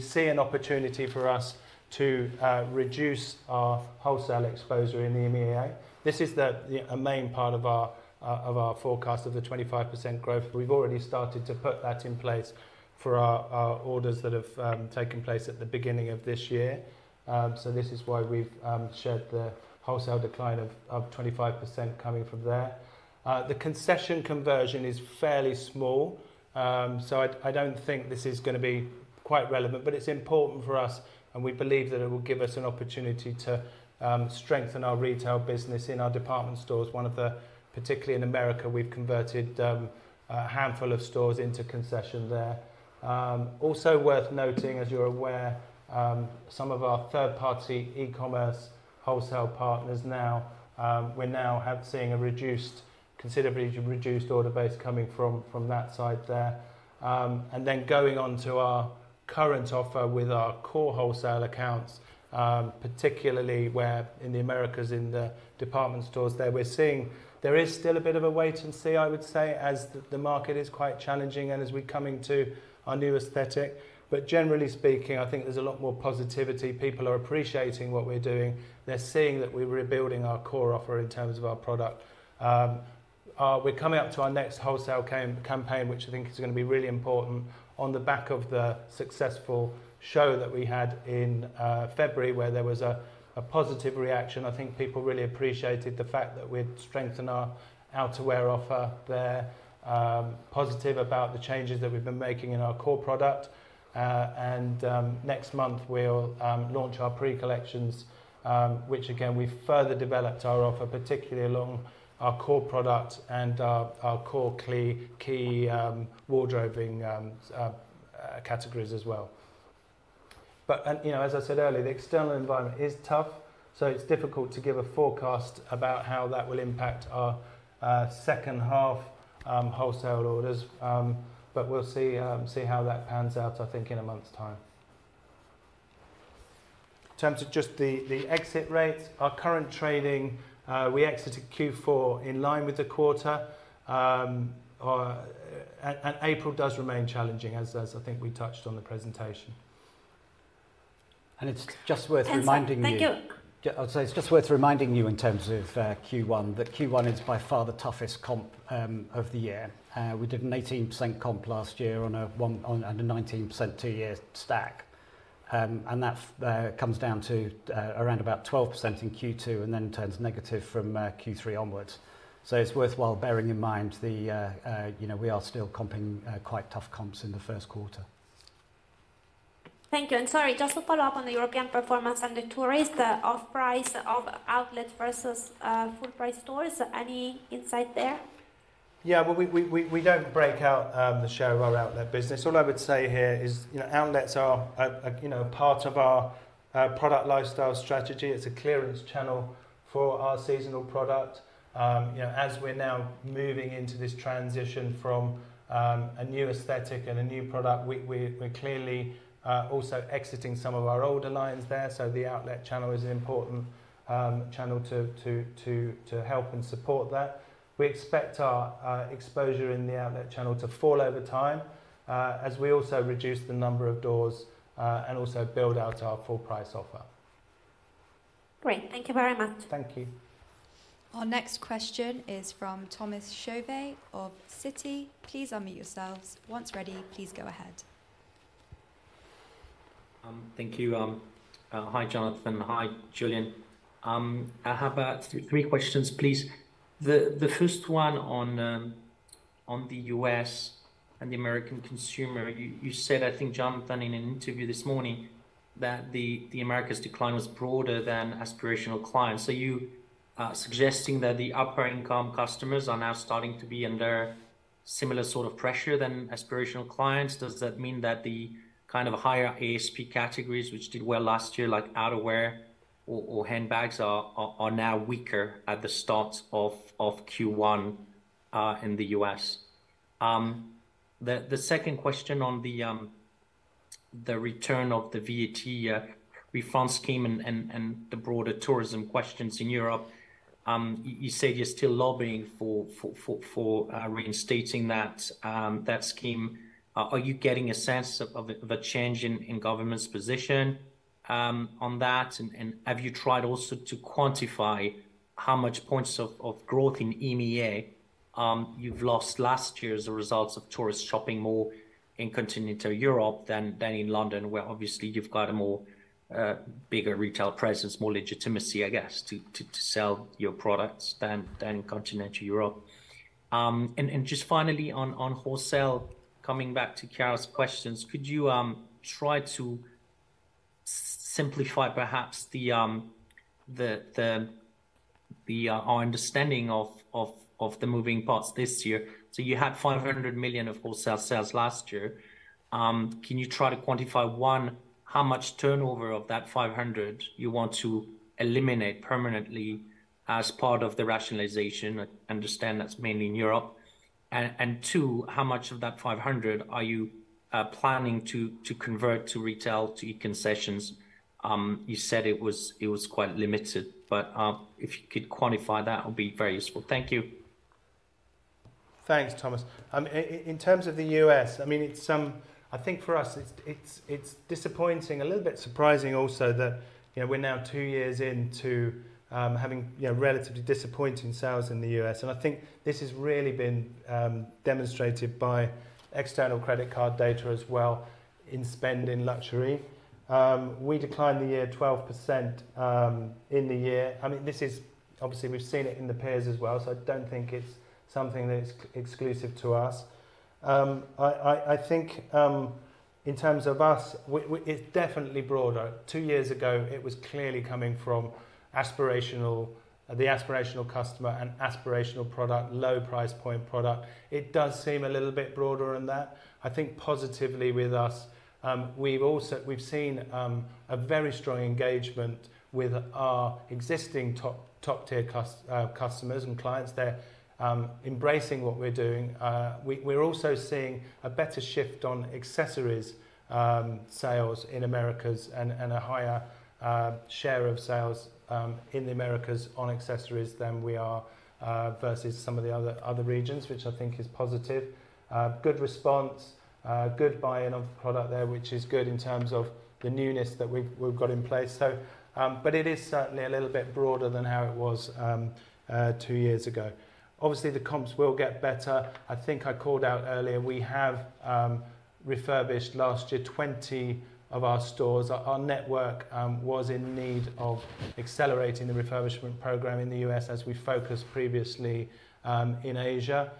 see an opportunity for us to reduce our wholesale exposure in the EMEIA. This is a main part of our forecast of the 25% growth. We've already started to put that in place for our orders that have taken place at the beginning of this year. So this is why we've shared the wholesale decline of 25% coming from there. The concession conversion is fairly small. I don't think this is going to be quite relevant, but it's important for us, and we believe that it will give us an opportunity to strengthen our retail business in our department stores. Particularly in America, we've converted a handful of stores into concession there. Also worth noting, as you're aware, some of our third-party e-commerce wholesale partners now, we're now seeing a considerably reduced order base coming from that side there. Then going on to our current offer with our core wholesale accounts, particularly in the Americas in the department stores there, we're seeing there is still a bit of a wait and see, I would say, as the market is quite challenging and as we're coming to our new aesthetic. Generally speaking, I think there's a lot more positivity. People are appreciating what we're doing. They're seeing that we're rebuilding our core offer in terms of our product. We're coming up to our next wholesale campaign, which I think is going to be really important on the back of the successful show that we had in February where there was a positive reaction. I think people really appreciated the fact that we'd strengthened our outerwear offer there, positive about the changes that we've been making in our core product. Next month, we'll launch our pre-collections, which again, we've further developed our offer, particularly along our core product and our core key wardrobe categories as well. As I said earlier, the external environment is tough, so it's difficult to give a forecast about how that will impact our second-half wholesale orders. We'll see how that pans out, I think, in a month's time. In terms of just the exit rates, our current trading, we exited Q4 in line with the quarter. April does remain challenging, as I think we touched on the presentation. It's just worth reminding you. Thank you. I'd say it's just worth reminding you in terms of Q1 that Q1 is by far the toughest comp of the year. We did an 18% comp last year on a 19% two-year stack. That comes down to around about 12% in Q2 and then turns negative from Q3 onwards. It's worthwhile bearing in mind we are still comping quite tough comps in the first quarter. Thank you. Sorry, just to follow up on the European performance and the tourists, the off-price of outlets versus full-price stores, any insight there? Yeah. Well, we don't break out the share of our outlet business. All I would say here is outlets are a part of our product lifestyle strategy. It's a clearance channel for our seasonal product. As we're now moving into this transition from a new aesthetic and a new product, we're clearly also exiting some of our older lines there. So the outlet channel is an important channel to help and support that. We expect our exposure in the outlet channel to fall over time as we also reduce the number of doors and also build out our full-price offer. Great. Thank you very much. Thank you. Our next question is from Thomas Chauvet of Citi. Please unmute yourselves. Once ready, please go ahead. Thank you. Hi, Jonathan. Hi, Julian. I have three questions, please. The first one on the US and the American consumer, you said, I think, Jonathan, in an interview this morning, that the Americas' decline was broader than aspirational clients. So you're suggesting that the upper-income customers are now starting to be under similar sort of pressure than aspirational clients. Does that mean that the kind of higher ASP categories, which did well last year, like outerwear or handbags, are now weaker at the start of Q1 in the US? The second question on the return of the VAT refund scheme and the broader tourism questions in Europe, you said you're still lobbying for reinstating that scheme. Are you getting a sense of a change in government's position on that? Have you tried also to quantify how much points of growth in EMEIA you've lost last year as a result of tourists shopping more in continental Europe than in London, where obviously you've got a bigger retail presence, more legitimacy, I guess, to sell your products than in continental Europe? Just finally, on wholesale, coming back to Chiara's questions, could you try to simplify perhaps our understanding of the moving parts this year? You had 500 million of wholesale sales last year. Can you try to quantify, one, how much turnover of that 500 you want to eliminate permanently as part of the rationalization? I understand that's mainly in Europe. And two, how much of that 500 are you planning to convert to retail, to E-concessions? You said it was quite limited, but if you could quantify that, it would be very useful. Thank you. Thanks, Thomas. In terms of the U.S., I mean, I think for us, it's disappointing, a little bit surprising also that we're now two years into having relatively disappointing sales in the U.S. I think this has really been demonstrated by external credit card data as well in spending luxury. We declined the year 12% in the year. I mean, obviously, we've seen it in the peers as well, so I don't think it's something that's exclusive to us. I think in terms of us, it's definitely broader. Two years ago, it was clearly coming from the aspirational customer and aspirational product, low-price point product. It does seem a little bit broader than that. I think positively with us, we've seen a very strong engagement with our existing top-tier customers and clients. They're embracing what we're doing. We're also seeing a better shift on accessories sales in Americas and a higher share of sales in the Americas on accessories than we are versus some of the other regions, which I think is positive. Good response, good buy-in of the product there, which is good in terms of the newness that we've got in place. But it is certainly a little bit broader than how it was two years ago. Obviously, the comps will get better. I think I called out earlier, we have refurbished last year 20 of our stores. Our network was in need of accelerating the refurbishment program in the US as we focused previously in Asia.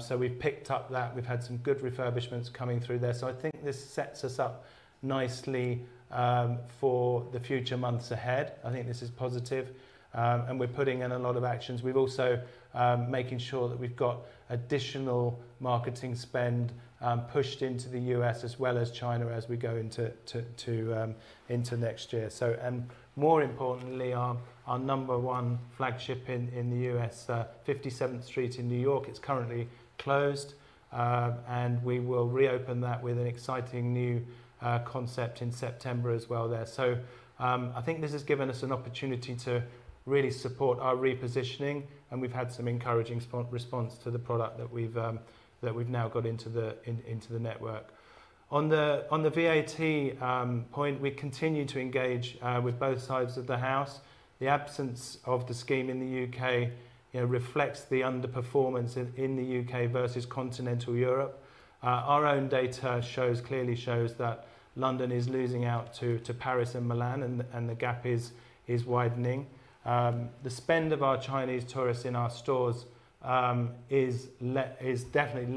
So we've picked up that. We've had some good refurbishments coming through there. So I think this sets us up nicely for the future months ahead. I think this is positive. We're putting in a lot of actions. We're also making sure that we've got additional marketing spend pushed into the US as well as China as we go into next year. More importantly, our number one flagship in the US, 57th Street in New York, it's currently closed. We will reopen that with an exciting new concept in September as well there. I think this has given us an opportunity to really support our repositioning. We've had some encouraging response to the product that we've now got into the network. On the VAT point, we continue to engage with both sides of the house. The absence of the scheme in the UK reflects the underperformance in the UK versus continental Europe. Our own data clearly shows that London is losing out to Paris and Milan, and the gap is widening. The spend of our Chinese tourists in our stores is definitely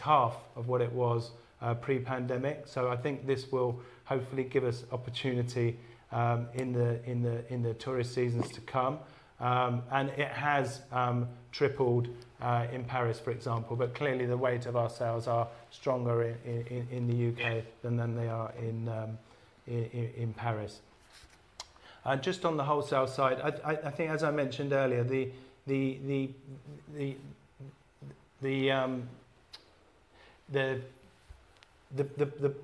half of what it was pre-pandemic. So I think this will hopefully give us opportunity in the tourist seasons to come. And it has tripled in Paris, for example. But clearly, the weight of our sales are stronger in the U.K. than they are in Paris. And just on the wholesale side, I think, as I mentioned earlier, the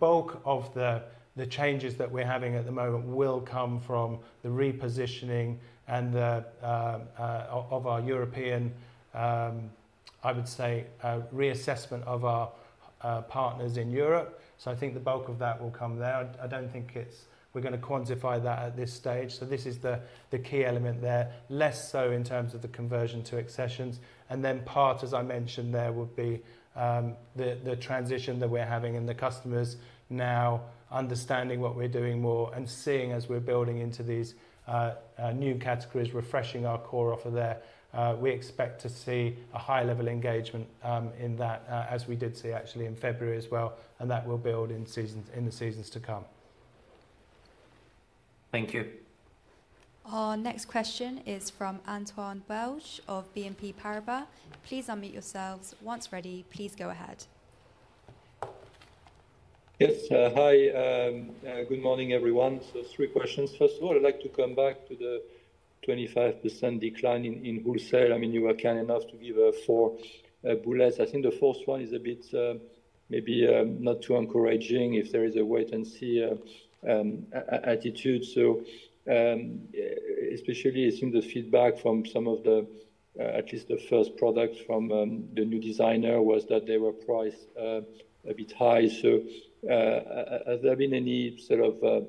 bulk of the changes that we're having at the moment will come from the repositioning of our European, I would say, reassessment of our partners in Europe. So I think the bulk of that will come there. I don't think we're going to quantify that at this stage. So this is the key element there, less so in terms of the conversion to E-concessions. And then part, as I mentioned there, would be the transition that we're having and the customers now understanding what we're doing more and seeing as we're building into these new categories, refreshing our core offer there, we expect to see a high-level engagement in that as we did see, actually, in February as well. And that will build in the seasons to come. Thank you. Our next question is from Antoine Belge of BNP Paribas. Please unmute yourselves. Once ready, please go ahead. Yes. Hi. Good morning, everyone. So 3 questions. First of all, I'd like to come back to the 25% decline in wholesale. I mean, you were kind enough to give 4 bullets. I think the first one is a bit maybe not too encouraging if there is a wait-and-see attitude. So especially, I think the feedback from some of the at least the first products from the new designer was that they were priced a bit high. So has there been any sort of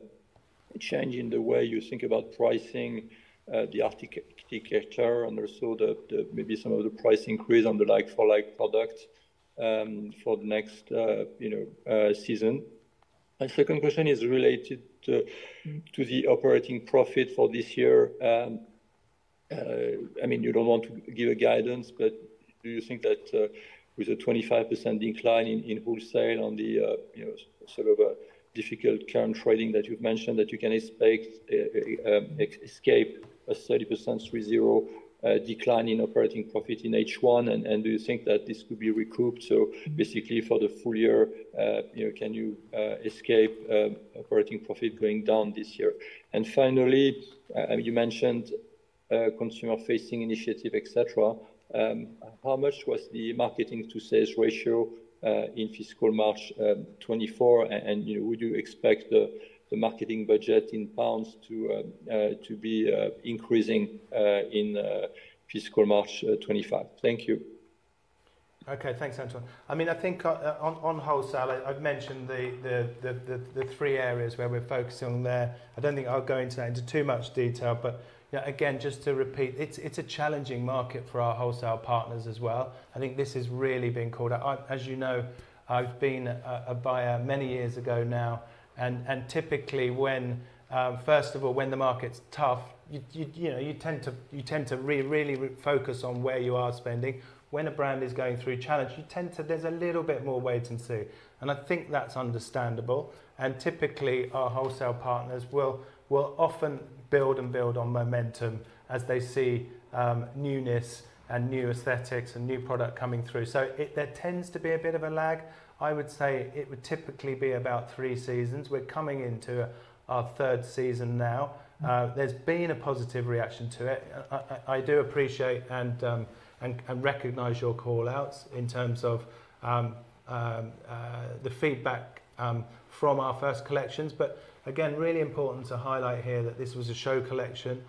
change in the way you think about pricing, the outerwear, and also maybe some of the price increase on the core-like products for the next season? My second question is related to the operating profit for this year. I mean, you don't want to give a guidance, but do you think that with a 25% decline in wholesale on the sort of difficult current trading that you've mentioned, that you can escape a 30% decline in operating profit in H1? And do you think that this could be recouped? So basically, for the full year, can you escape operating profit going down this year? And finally, I mean, you mentioned consumer-facing initiative, etc. How much was the marketing-to-sales ratio in fiscal March 2024? And would you expect the marketing budget in pounds to be increasing in fiscal March 2025? Thank you. Okay. Thanks, Antoine. I mean, I think on wholesale, I've mentioned the three areas where we're focusing there. I don't think I'll go into that into too much detail. But again, just to repeat, it's a challenging market for our wholesale partners as well. I think this has really been called out. As you know, I've been a buyer many years ago now. And typically, first of all, when the market's tough, you tend to really focus on where you are spending. When a brand is going through challenge, there's a little bit more wait-and-see. And I think that's understandable. And typically, our wholesale partners will often build and build on momentum as they see newness and new aesthetics and new product coming through. So there tends to be a bit of a lag. I would say it would typically be about three seasons. We're coming into our third season now. There's been a positive reaction to it. I do appreciate and recognize your callouts in terms of the feedback from our first collections. But again, really important to highlight here that this was a show collection.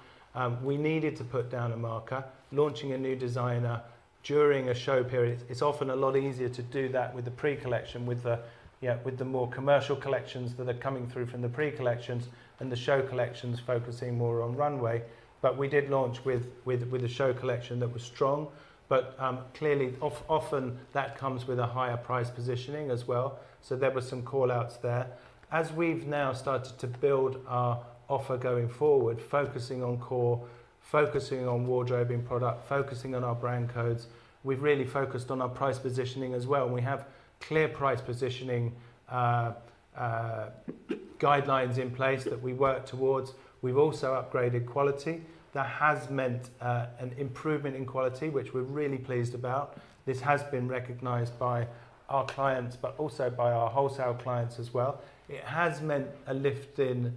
We needed to put down a marker. Launching a new designer during a show period, it's often a lot easier to do that with the pre-collection, with the more commercial collections that are coming through from the pre-collections and the show collections focusing more on runway. But we did launch with a show collection that was strong. But clearly, often, that comes with a higher price positioning as well. So there were some callouts there. As we've now started to build our offer going forward, focusing on core, focusing on wardrobe and product, focusing on our brand codes, we've really focused on our price positioning as well. We have clear price positioning guidelines in place that we work towards. We've also upgraded quality. That has meant an improvement in quality, which we're really pleased about. This has been recognized by our clients, but also by our wholesale clients as well. It has meant a lift in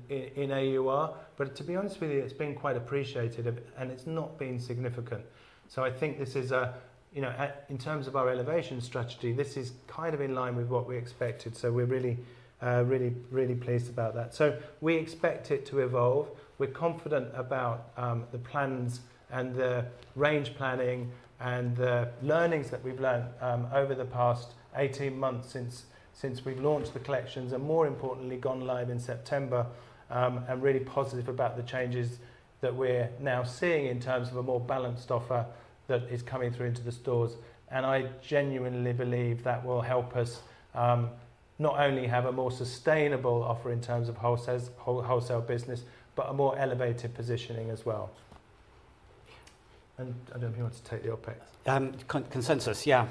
AUR. But to be honest with you, it's been quite appreciated, and it's not been significant. So I think this is a in terms of our elevation strategy, this is kind of in line with what we expected. So we're really, really, really pleased about that. So we expect it to evolve. We're confident about the plans and the range planning and the learnings that we've learnt over the past 18 months since we've launched the collections and, more importantly, gone live in September and really positive about the changes that we're now seeing in terms of a more balanced offer that is coming through into the stores. I genuinely believe that will help us not only have a more sustainable offer in terms of wholesale business, but a more elevated positioning as well. I don't know if you want to take the OpEx. Consensus. Yeah.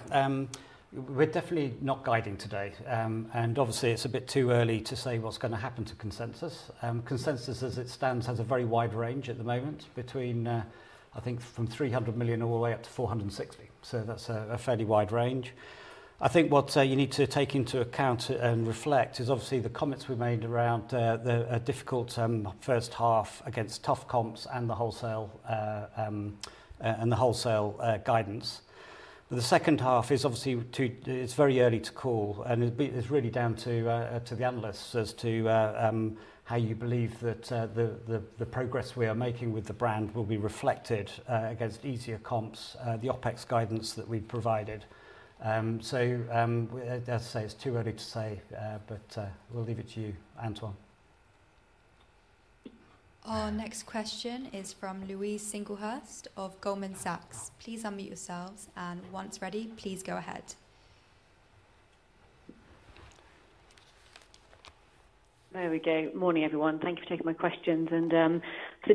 We're definitely not guiding today. And obviously, it's a bit too early to say what's going to happen to consensus. Consensus, as it stands, has a very wide range at the moment between, I think, from 300 million all the way up to 460 million. So that's a fairly wide range. I think what you need to take into account and reflect is obviously the comments we made around a difficult first half against tough comps and the wholesale guidance. But the second half is obviously too early to call. And it's really down to the analysts as to how you believe that the progress we are making with the brand will be reflected against easier comps, the OpEx guidance that we've provided. So as I say, it's too early to say, but we'll leave it to you, Antoine. Our next question is from Louise Singlehurst of Goldman Sachs. Please unmute yourselves. Once ready, please go ahead. There we go. Morning, everyone. Thank you for taking my questions and for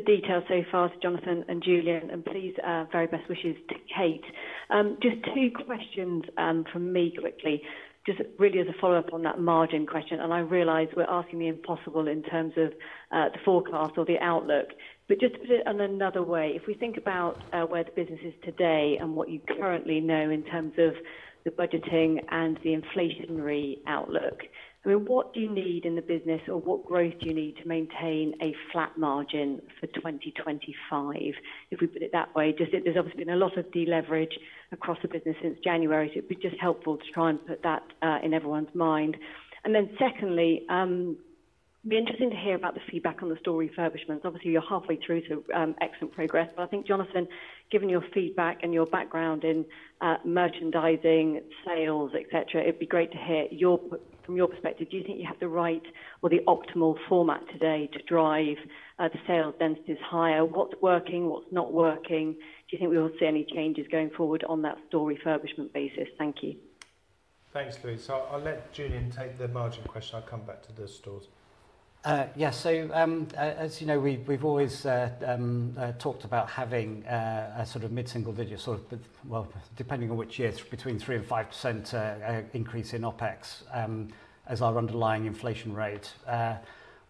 the detail so far to Jonathan and Julian, and please very best wishes to Kate. Just two questions from me quickly, just really as a follow-up on that margin question. I realize we're asking the impossible in terms of the forecast or the outlook. But just to put it in another way, if we think about where the business is today and what you currently know in terms of the budgeting and the inflationary outlook, I mean, what do you need in the business, or what growth do you need to maintain a flat margin for 2025, if we put it that way? There's obviously been a lot of de-leverage across the business since January. So it'd be just helpful to try and put that in everyone's mind. Then secondly, it'd be interesting to hear about the feedback on the store refurbishments. Obviously, you're halfway through to excellent progress. But I think, Jonathan, given your feedback and your background in merchandising, sales, etc., it'd be great to hear from your perspective, do you think you have the right or the optimal format today to drive the sales densities higher? What's working? What's not working? Do you think we will see any changes going forward on that store refurbishment basis? Thank you. Thanks, Louise. So I'll let Julian take the margin question. I'll come back to the stores. Yeah. So as you know, we've always talked about having a sort of mid-single digit sort of well, depending on which year, between 3%-5% increase in OpEx as our underlying inflation rate.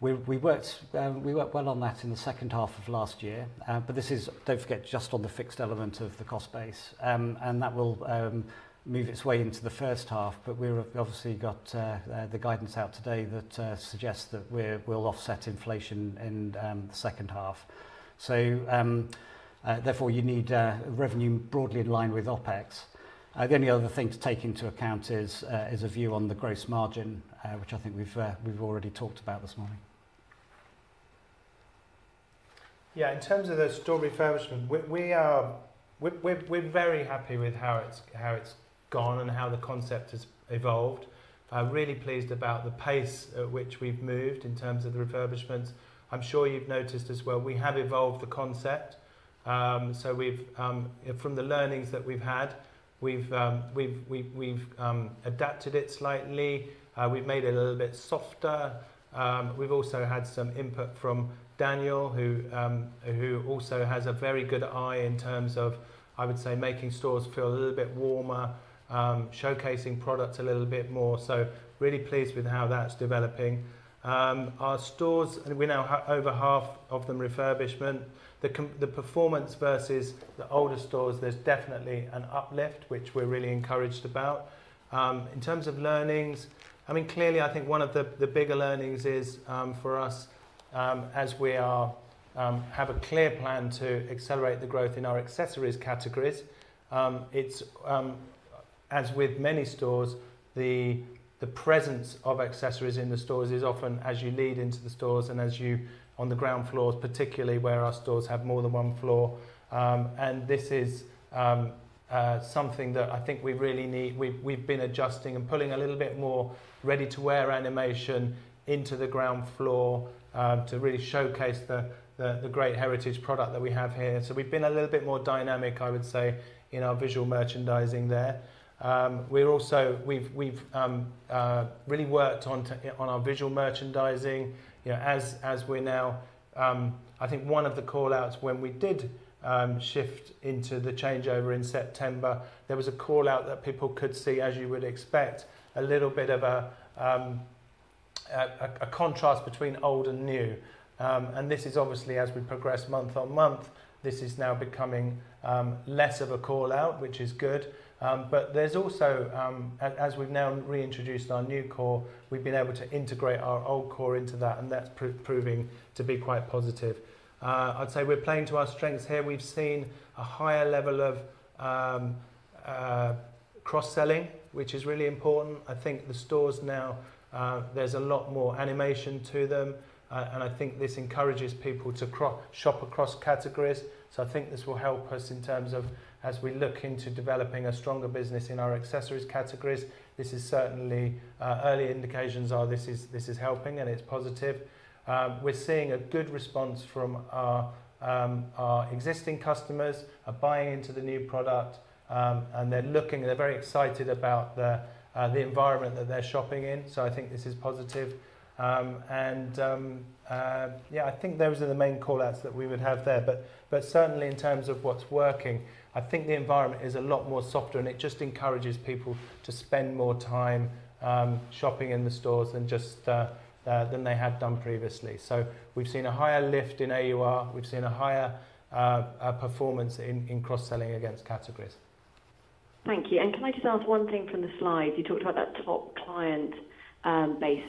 We worked well on that in the second half of last year. But this is, don't forget, just on the fixed element of the cost base. And that will move its way into the first half. But we've obviously got the guidance out today that suggests that we'll offset inflation in the second half. So therefore, you need revenue broadly in line with OpEx. The only other thing to take into account is a view on the gross margin, which I think we've already talked about this morning. Yeah. In terms of the store refurbishment, we're very happy with how it's gone and how the concept has evolved. I'm really pleased about the pace at which we've moved in terms of the refurbishments. I'm sure you've noticed as well, we have evolved the concept. So from the learnings that we've had, we've adapted it slightly. We've made it a little bit softer. We've also had some input from Daniel, who also has a very good eye in terms of, I would say, making stores feel a little bit warmer, showcasing products a little bit more. So really pleased with how that's developing. Our stores, and we now have over half of them refurbishment. The performance versus the older stores, there's definitely an uplift, which we're really encouraged about. In terms of learnings, I mean, clearly, I think one of the bigger learnings is for us, as we have a clear plan to accelerate the growth in our accessories categories. It's, as with many stores, the presence of accessories in the stores is often as you lead into the stores and as you on the ground floors, particularly where our stores have more than one floor. And this is something that I think we really need. We've been adjusting and pulling a little bit more ready-to-wear animation into the ground floor to really showcase the great heritage product that we have here. So we've been a little bit more dynamic, I would say, in our visual merchandising there. We've also really worked on our visual merchandising as we're now I think one of the callouts. When we did shift into the changeover in September, there was a callout that people could see, as you would expect, a little bit of a contrast between old and new. This is obviously, as we progress month-on-month, now becoming less of a callout, which is good. But there's also, as we've now reintroduced our new core, we've been able to integrate our old core into that. That's proving to be quite positive. I'd say we're playing to our strengths here. We've seen a higher level of cross-selling, which is really important. I think the stores now, there's a lot more animation to them. I think this encourages people to shop across categories. So, I think this will help us in terms of, as we look into developing a stronger business in our accessories categories, this is certainly early indications are this is helping, and it's positive. We're seeing a good response from our existing customers are buying into the new product. And they're looking, they're very excited about the environment that they're shopping in. So, I think this is positive. And yeah, I think those are the main callouts that we would have there. But certainly, in terms of what's working, I think the environment is a lot more softer. And it just encourages people to spend more time shopping in the stores than they had done previously. So, we've seen a higher lift in AUR. We've seen a higher performance in cross-selling against categories. Thank you. Can I just ask one thing from the slides? You talked about that top client base.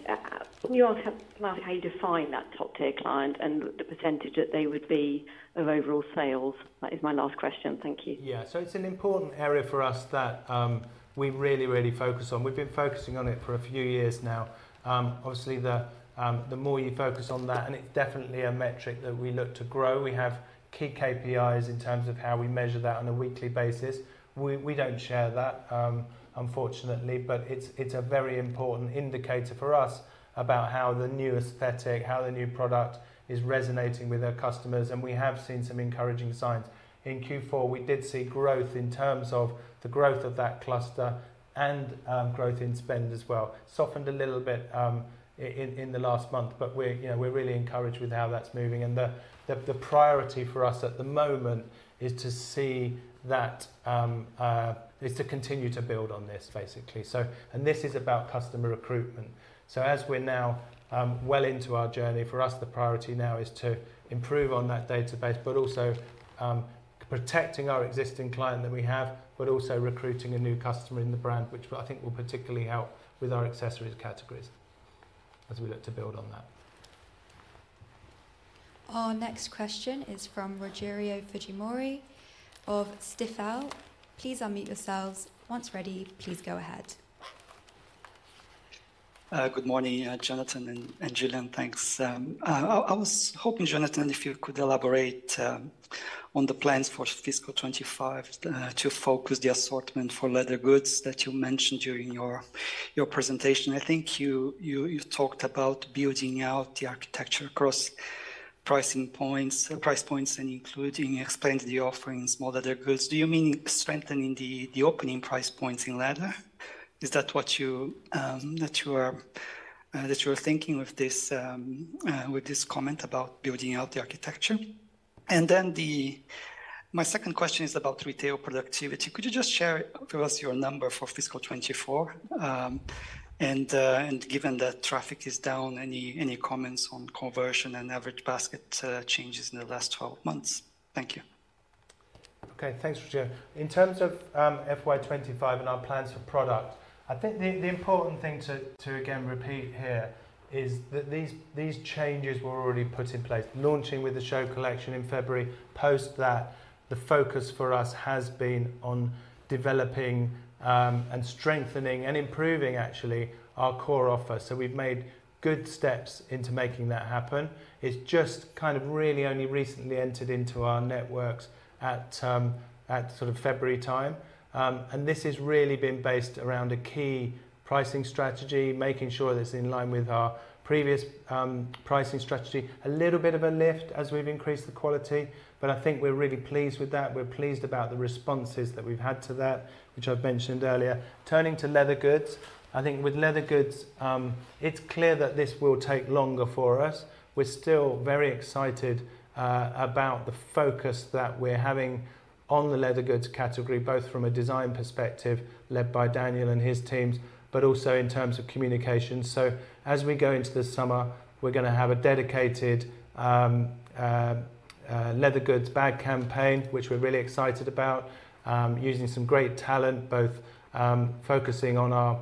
Can you ask how you define that top-tier client and the percentage that they would be of overall sales? That is my last question. Thank you. Yeah. So it's an important area for us that we really, really focus on. We've been focusing on it for a few years now. Obviously, the more you focus on that and it's definitely a metric that we look to grow. We have key KPIs in terms of how we measure that on a weekly basis. We don't share that, unfortunately. But it's a very important indicator for us about how the new aesthetic, how the new product is resonating with our customers. And we have seen some encouraging signs. In Q4, we did see growth in terms of the growth of that cluster and growth in spend as well. Softened a little bit in the last month. But we're really encouraged with how that's moving. And the priority for us at the moment is to see that is to continue to build on this, basically. This is about customer recruitment. As we're now well into our journey, for us, the priority now is to improve on that database, but also protecting our existing client that we have, but also recruiting a new customer in the brand, which I think will particularly help with our accessories categories as we look to build on that. Our next question is from Rogerio Fujimori of Stifel. Please unmute yourselves. Once ready, please go ahead. Good morning, Jonathan and Julian. Thanks. I was hoping, Jonathan, if you could elaborate on the plans for fiscal 2025 to focus the assortment for leather goods that you mentioned during your presentation. I think you talked about building out the architecture across price points and including expanding the offer in small leather goods. Do you mean strengthening the opening price points in leather? Is that what you are thinking with this comment about building out the architecture? And then my second question is about retail productivity. Could you just share with us your number for fiscal 2024? And given that traffic is down, any comments on conversion and average basket changes in the last 12 months? Thank you. Okay. Thanks, Rogerio. In terms of FY 2025 and our plans for product, I think the important thing to, again, repeat here is that these changes were already put in place, launching with the show collection in February. Post that, the focus for us has been on developing and strengthening and improving, actually, our core offer. So we've made good steps into making that happen. It's just kind of really only recently entered into our networks at sort of February time. And this has really been based around a key pricing strategy, making sure that it's in line with our previous pricing strategy. A little bit of a lift as we've increased the quality. But I think we're really pleased with that. We're pleased about the responses that we've had to that, which I've mentioned earlier. Turning to leather goods, I think with leather goods, it's clear that this will take longer for us. We're still very excited about the focus that we're having on the leather goods category, both from a design perspective led by Daniel and his teams, but also in terms of communication. So as we go into the summer, we're going to have a dedicated leather goods bag campaign, which we're really excited about, using some great talent, both focusing on our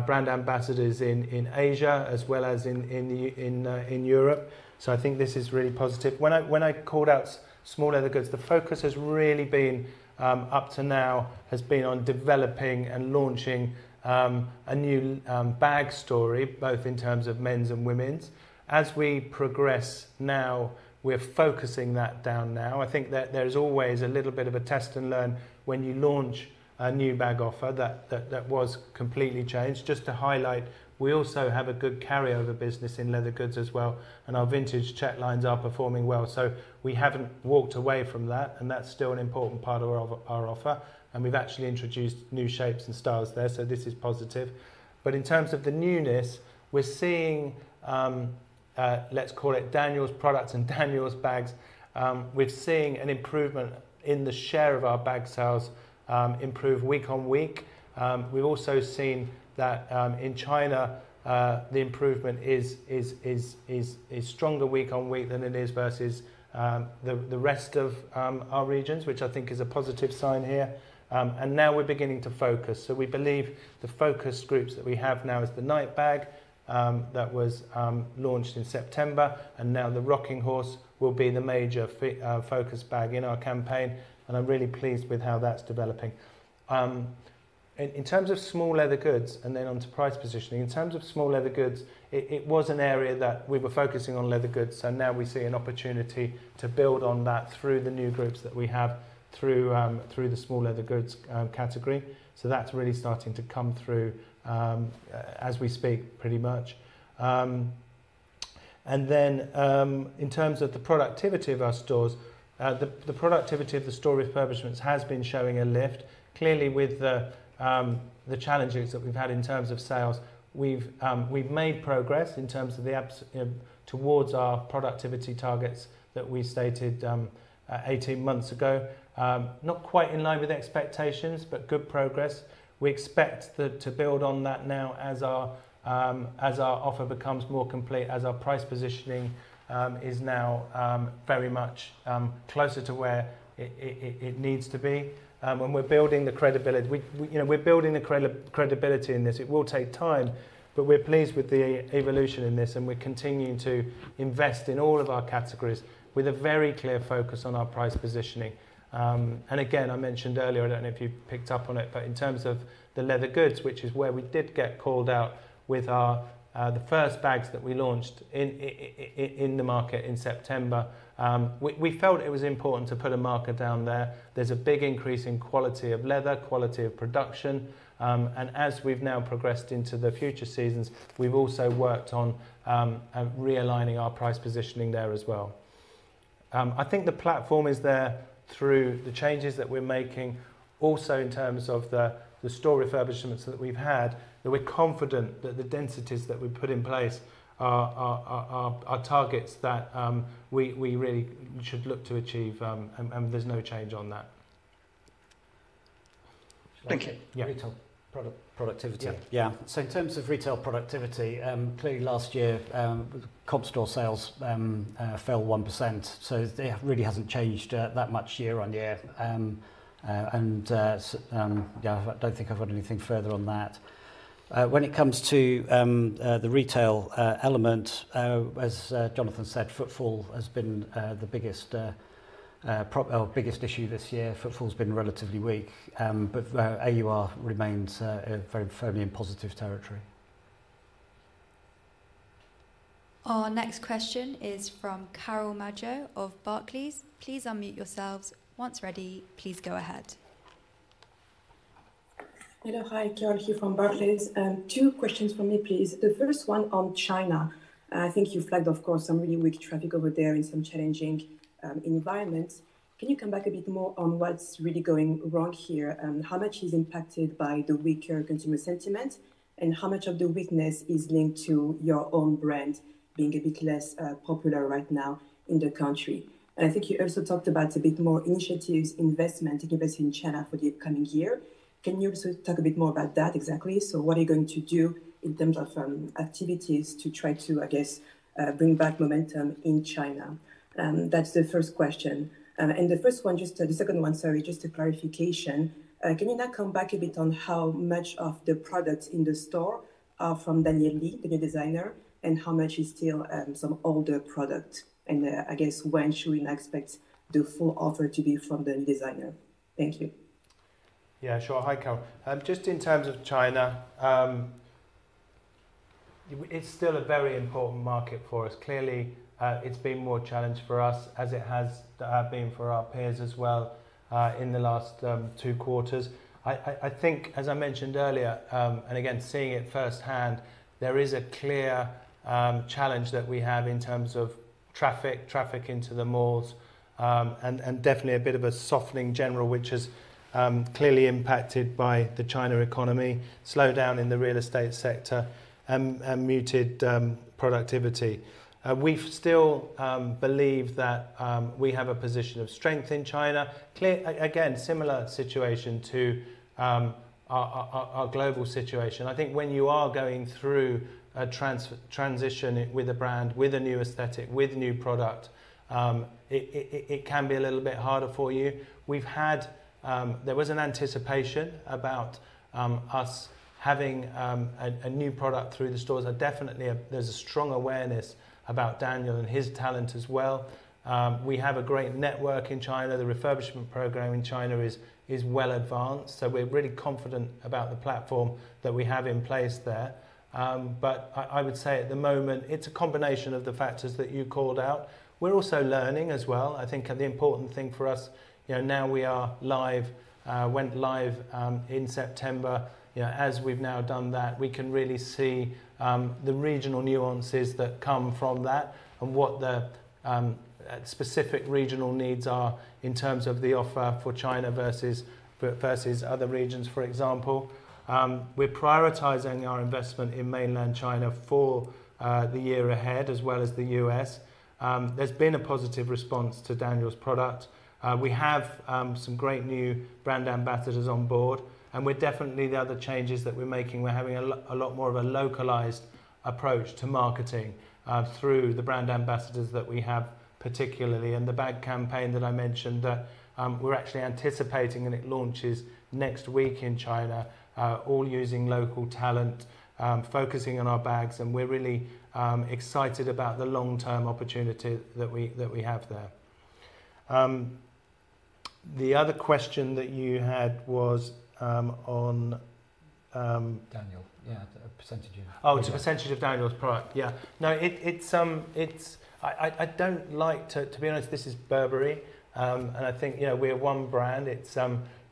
brand ambassadors in Asia as well as in Europe. So I think this is really positive. When I called out small leather goods, the focus has really been up to now has been on developing and launching a new bag story, both in terms of men's and women's. As we progress now, we're focusing that down now. I think that there's always a little bit of a test and learn when you launch a new bag offer that was completely changed. Just to highlight, we also have a good carryover business in leather goods as well. Our Vintage Check lines are performing well. We haven't walked away from that. That's still an important part of our offer. We've actually introduced new shapes and styles there. This is positive. But in terms of the newness, we're seeing, let's call it Daniel's products and Daniel's bags. We're seeing an improvement in the share of our bag sales improve week on week. We've also seen that in China, the improvement is stronger week on week than it is versus the rest of our regions, which I think is a positive sign here. Now we're beginning to focus. So we believe the focus groups that we have now is the Knight Bag that was launched in September. Now the Rocking Horse Bag will be the major focus bag in our campaign. I'm really pleased with how that's developing. In terms of small leather goods and then onto price positioning, in terms of small leather goods, it was an area that we were focusing on leather goods. Now we see an opportunity to build on that through the new groups that we have through the small leather goods category. That's really starting to come through as we speak, pretty much. Then in terms of the productivity of our stores, the productivity of the store refurbishments has been showing a lift. Clearly, with the challenges that we've had in terms of sales, we've made progress in terms of towards our productivity targets that we stated 18 months ago, not quite in line with expectations, but good progress. We expect to build on that now as our offer becomes more complete, as our price positioning is now very much closer to where it needs to be. When we're building the credibility, we're building the credibility in this. It will take time. But we're pleased with the evolution in this. And we're continuing to invest in all of our categories with a very clear focus on our price positioning. And again, I mentioned earlier, I don't know if you picked up on it, but in terms of the leather goods, which is where we did get called out with the first bags that we launched in the market in September, we felt it was important to put a marker down there. There's a big increase in quality of leather, quality of production. And as we've now progressed into the future seasons, we've also worked on realigning our price positioning there as well. I think the platform is there through the changes that we're making, also in terms of the store refurbishments that we've had, that we're confident that the densities that we put in place are targets that we really should look to achieve. And there's no change on that. Thank you. Retail productivity. Yeah. So in terms of retail productivity, clearly, last year, comp store sales fell 1%. So it really hasn't changed that much year-on-year. And yeah, I don't think I've got anything further on that. When it comes to the retail element, as Jonathan said, footwear has been the biggest issue this year. Footwear has been relatively weak. But AUR remains very firmly in positive territory. Our next question is from Carole Madjo of Barclays. Please unmute yourselves. Once ready, please go ahead. Hello. Hi, Carole here from Barclays. Two questions for me, please. The first one on China. I think you flagged, of course, some really weak traffic over there in some challenging environments. Can you come back a bit more on what's really going wrong here and how much is impacted by the weaker consumer sentiment and how much of the weakness is linked to your own brand being a bit less popular right now in the country? And I think you also talked about a bit more initiatives, investment, thinking about it in China for the upcoming year. Can you also talk a bit more about that exactly? So what are you going to do in terms of activities to try to, I guess, bring back momentum in China? That's the first question. And the first one, just the second one, sorry, just a clarification. Can you now come back a bit on how much of the products in the store are from Daniel Lee, the new designer, and how much is still some older product? And I guess when should we now expect the full offer to be from the new designer? Thank you. Yeah. Sure. Hi, Carol. Just in terms of China, it's still a very important market for us. Clearly, it's been more challenged for us as it has been for our peers as well in the last two quarters. I think, as I mentioned earlier, and again, seeing it firsthand, there is a clear challenge that we have in terms of traffic, traffic into the malls, and definitely a bit of a softening general, which has clearly impacted by the China economy, slowdown in the real estate sector, and muted productivity. We still believe that we have a position of strength in China. Again, similar situation to our global situation. I think when you are going through a transition with a brand, with a new aesthetic, with new product, it can be a little bit harder for you. There was an anticipation about us having a new product through the stores. There's a strong awareness about Daniel and his talent as well. We have a great network in China. The refurbishment program in China is well advanced. So we're really confident about the platform that we have in place there. But I would say at the moment, it's a combination of the factors that you called out. We're also learning as well. I think the important thing for us, now we are live, went live in September. As we've now done that, we can really see the regional nuances that come from that and what the specific regional needs are in terms of the offer for China versus other regions, for example. We're prioritizing our investment in mainland China for the year ahead as well as the U.S. There's been a positive response to Daniel's product. We have some great new brand ambassadors on board. Definitely, the other changes that we're making, we're having a lot more of a localized approach to marketing through the brand ambassadors that we have, particularly. The bag campaign that I mentioned that we're actually anticipating, and it launches next week in China, all using local talent, focusing on our bags. We're really excited about the long-term opportunity that we have there. The other question that you had was on. Daniel. Yeah. A percentage of. Oh, it's a percentage of Daniel's product. Yeah. No, I don't like to be honest, this is Burberry. And I think we're one brand.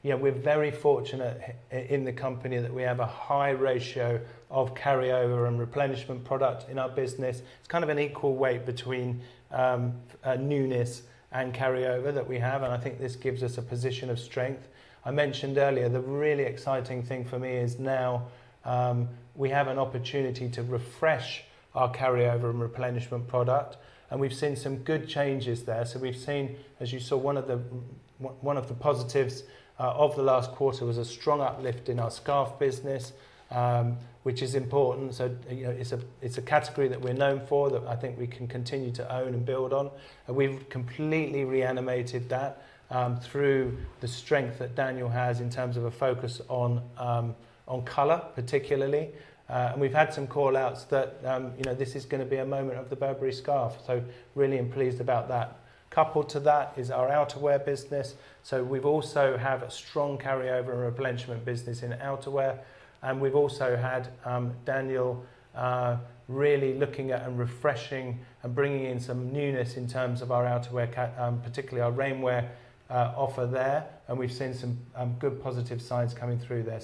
We're very fortunate in the company that we have a high ratio of carryover and replenishment product in our business. It's kind of an equal weight between newness and carryover that we have. And I think this gives us a position of strength. I mentioned earlier, the really exciting thing for me is now we have an opportunity to refresh our carryover and replenishment product. And we've seen some good changes there. So we've seen, as you saw, one of the positives of the last quarter was a strong uplift in our scarf business, which is important. So it's a category that we're known for, that I think we can continue to own and build on. We've completely reanimated that through the strength that Daniel has in terms of a focus on color, particularly. We've had some callouts that this is going to be a moment of the Burberry scarf. So really pleased about that. Coupled to that is our outerwear business. We also have a strong carryover and replenishment business in outerwear. We've also had Daniel really looking at and refreshing and bringing in some newness in terms of our outerwear, particularly our rainwear offer there. We've seen some good positive signs coming through there.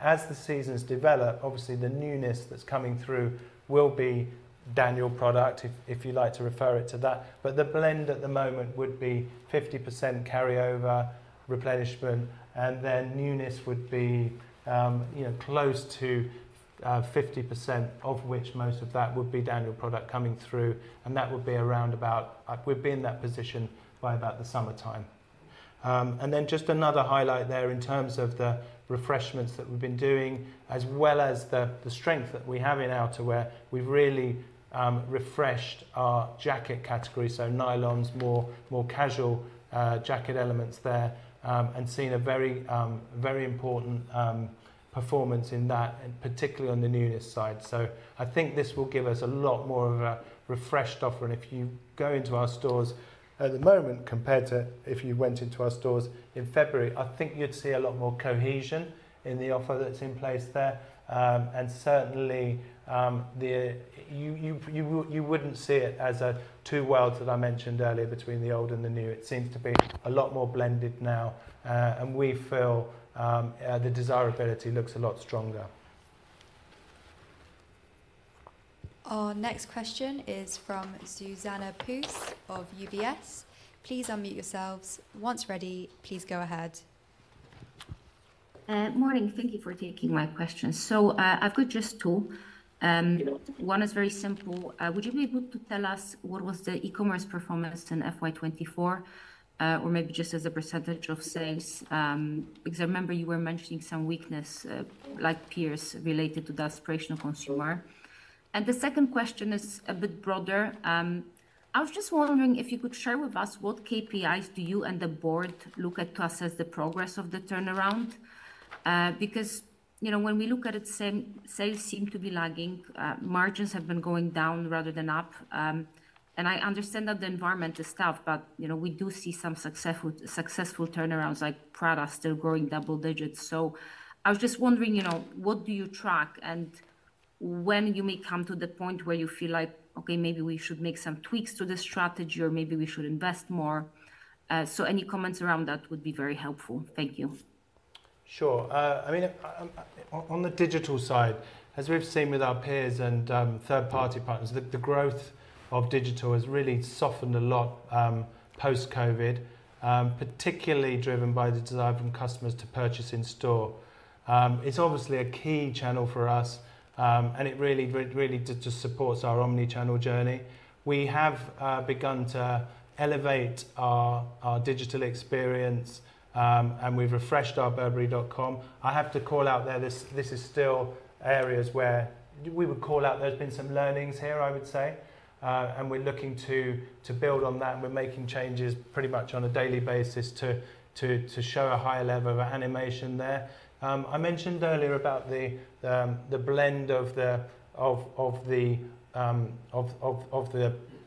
As the seasons develop, obviously, the newness that's coming through will be Daniel product, if you like to refer it to that. But the blend at the moment would be 50% carryover, replenishment, and then newness would be close to 50% of which most of that would be Daniel product coming through. That would be around about; we'd be in that position by about the summertime. And then just another highlight there in terms of the refreshments that we've been doing, as well as the strength that we have in outerwear, we've really refreshed our jacket category, so nylons, more casual jacket elements there, and seen a very, very important performance in that, particularly on the newness side. So I think this will give us a lot more of a refreshed offer. And if you go into our stores at the moment compared to if you went into our stores in February, I think you'd see a lot more cohesion in the offer that's in place there. And certainly, you wouldn't see it as a two worlds that I mentioned earlier between the old and the new. It seems to be a lot more blended now. We feel the desirability looks a lot stronger. Our next question is from Zuzanna Pusz of UBS. Please unmute yourselves. Once ready, please go ahead. Morning. Thank you for taking my question. So I've got just two. One is very simple. Would you be able to tell us what was the e-commerce performance in FY 2024, or maybe just as a percentage of sales? Because I remember you were mentioning some weakness, like peers, related to the aspiration of consumer. And the second question is a bit broader. I was just wondering if you could share with us what KPIs do you and the board look at to assess the progress of the turnaround? Because when we look at it, sales seem to be lagging. Margins have been going down rather than up. And I understand that the environment is tough, but we do see some successful turnarounds, like Prada still growing double digits. So I was just wondering, what do you track? When you may come to the point where you feel like, "Okay, maybe we should make some tweaks to the strategy," or, "Maybe we should invest more." Any comments around that would be very helpful. Thank you. Sure. I mean, on the digital side, as we've seen with our peers and third-party partners, the growth of digital has really softened a lot post-COVID, particularly driven by the desire from customers to purchase in store. It's obviously a key channel for us. And it really just supports our omnichannel journey. We have begun to elevate our digital experience. And we've refreshed our Burberry.com. I have to call out there, this is still areas where we would call out there's been some learnings here, I would say. And we're looking to build on that. And we're making changes pretty much on a daily basis to show a higher level of animation there. I mentioned earlier about the blend of the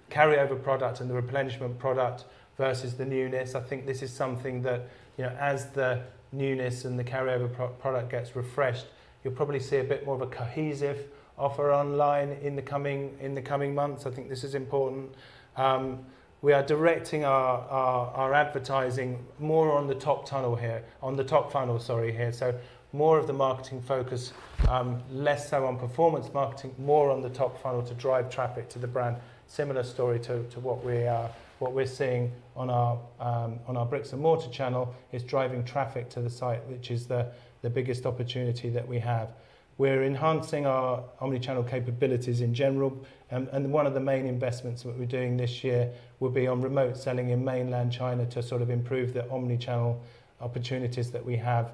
carryover product and the replenishment product versus the newness. I think this is something that as the newness and the carryover product gets refreshed, you'll probably see a bit more of a cohesive offer online in the coming months. I think this is important. We are directing our advertising more on the top tunnel here, on the top funnel, sorry, here. So more of the marketing focus, less so on performance marketing, more on the top funnel to drive traffic to the brand. Similar story to what we're seeing on our bricks and mortar channel is driving traffic to the site, which is the biggest opportunity that we have. We're enhancing our omnichannel capabilities in general. One of the main investments that we're doing this year will be on remote selling in Mainland China to sort of improve the omnichannel opportunities that we have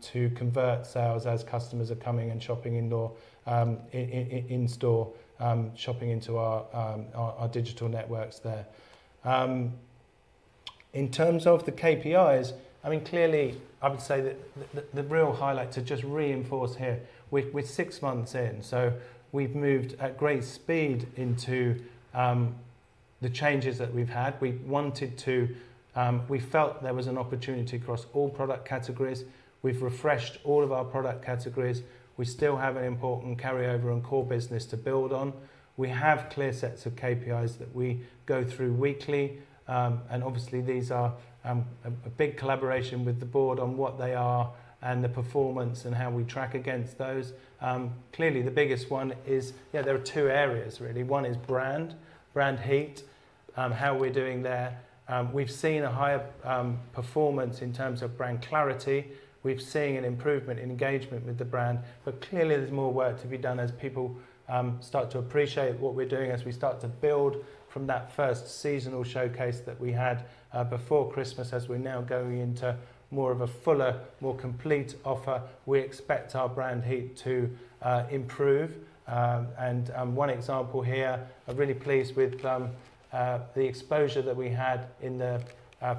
to convert sales as customers are coming and shopping in store, shopping into our digital networks there. In terms of the KPIs, I mean, clearly, I would say that the real highlight to just reinforce here, we're six months in. So we've moved at great speed into the changes that we've had. We felt there was an opportunity across all product categories. We've refreshed all of our product categories. We still have an important carryover and core business to build on. We have clear sets of KPIs that we go through weekly. And obviously, these are a big collaboration with the board on what they are and the performance and how we track against those. Clearly, the biggest one is, yeah, there are two areas, really. One is brand, brand heat, how we're doing there. We've seen a higher performance in terms of brand clarity. We've seen an improvement in engagement with the brand. But clearly, there's more work to be done as people start to appreciate what we're doing, as we start to build from that first seasonal showcase that we had before Christmas, as we're now going into more of a fuller, more complete offer, we expect our brand heat to improve. And one example here, I'm really pleased with the exposure that we had in the,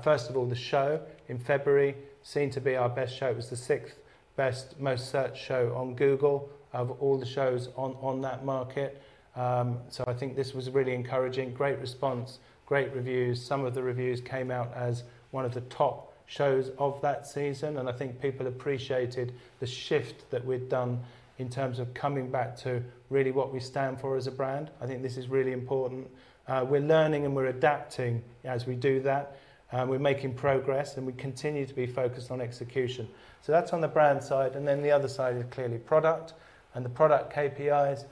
first of all, the show in February, seemed to be our best show. It was the sixth best, most searched show on Google of all the shows on that market. So I think this was really encouraging. Great response, great reviews. Some of the reviews came out as one of the top shows of that season. I think people appreciated the shift that we've done in terms of coming back to really what we stand for as a brand. I think this is really important. We're learning and we're adapting as we do that. We're making progress. We continue to be focused on execution. So that's on the brand side. Then the other side is clearly product and the product KPIs.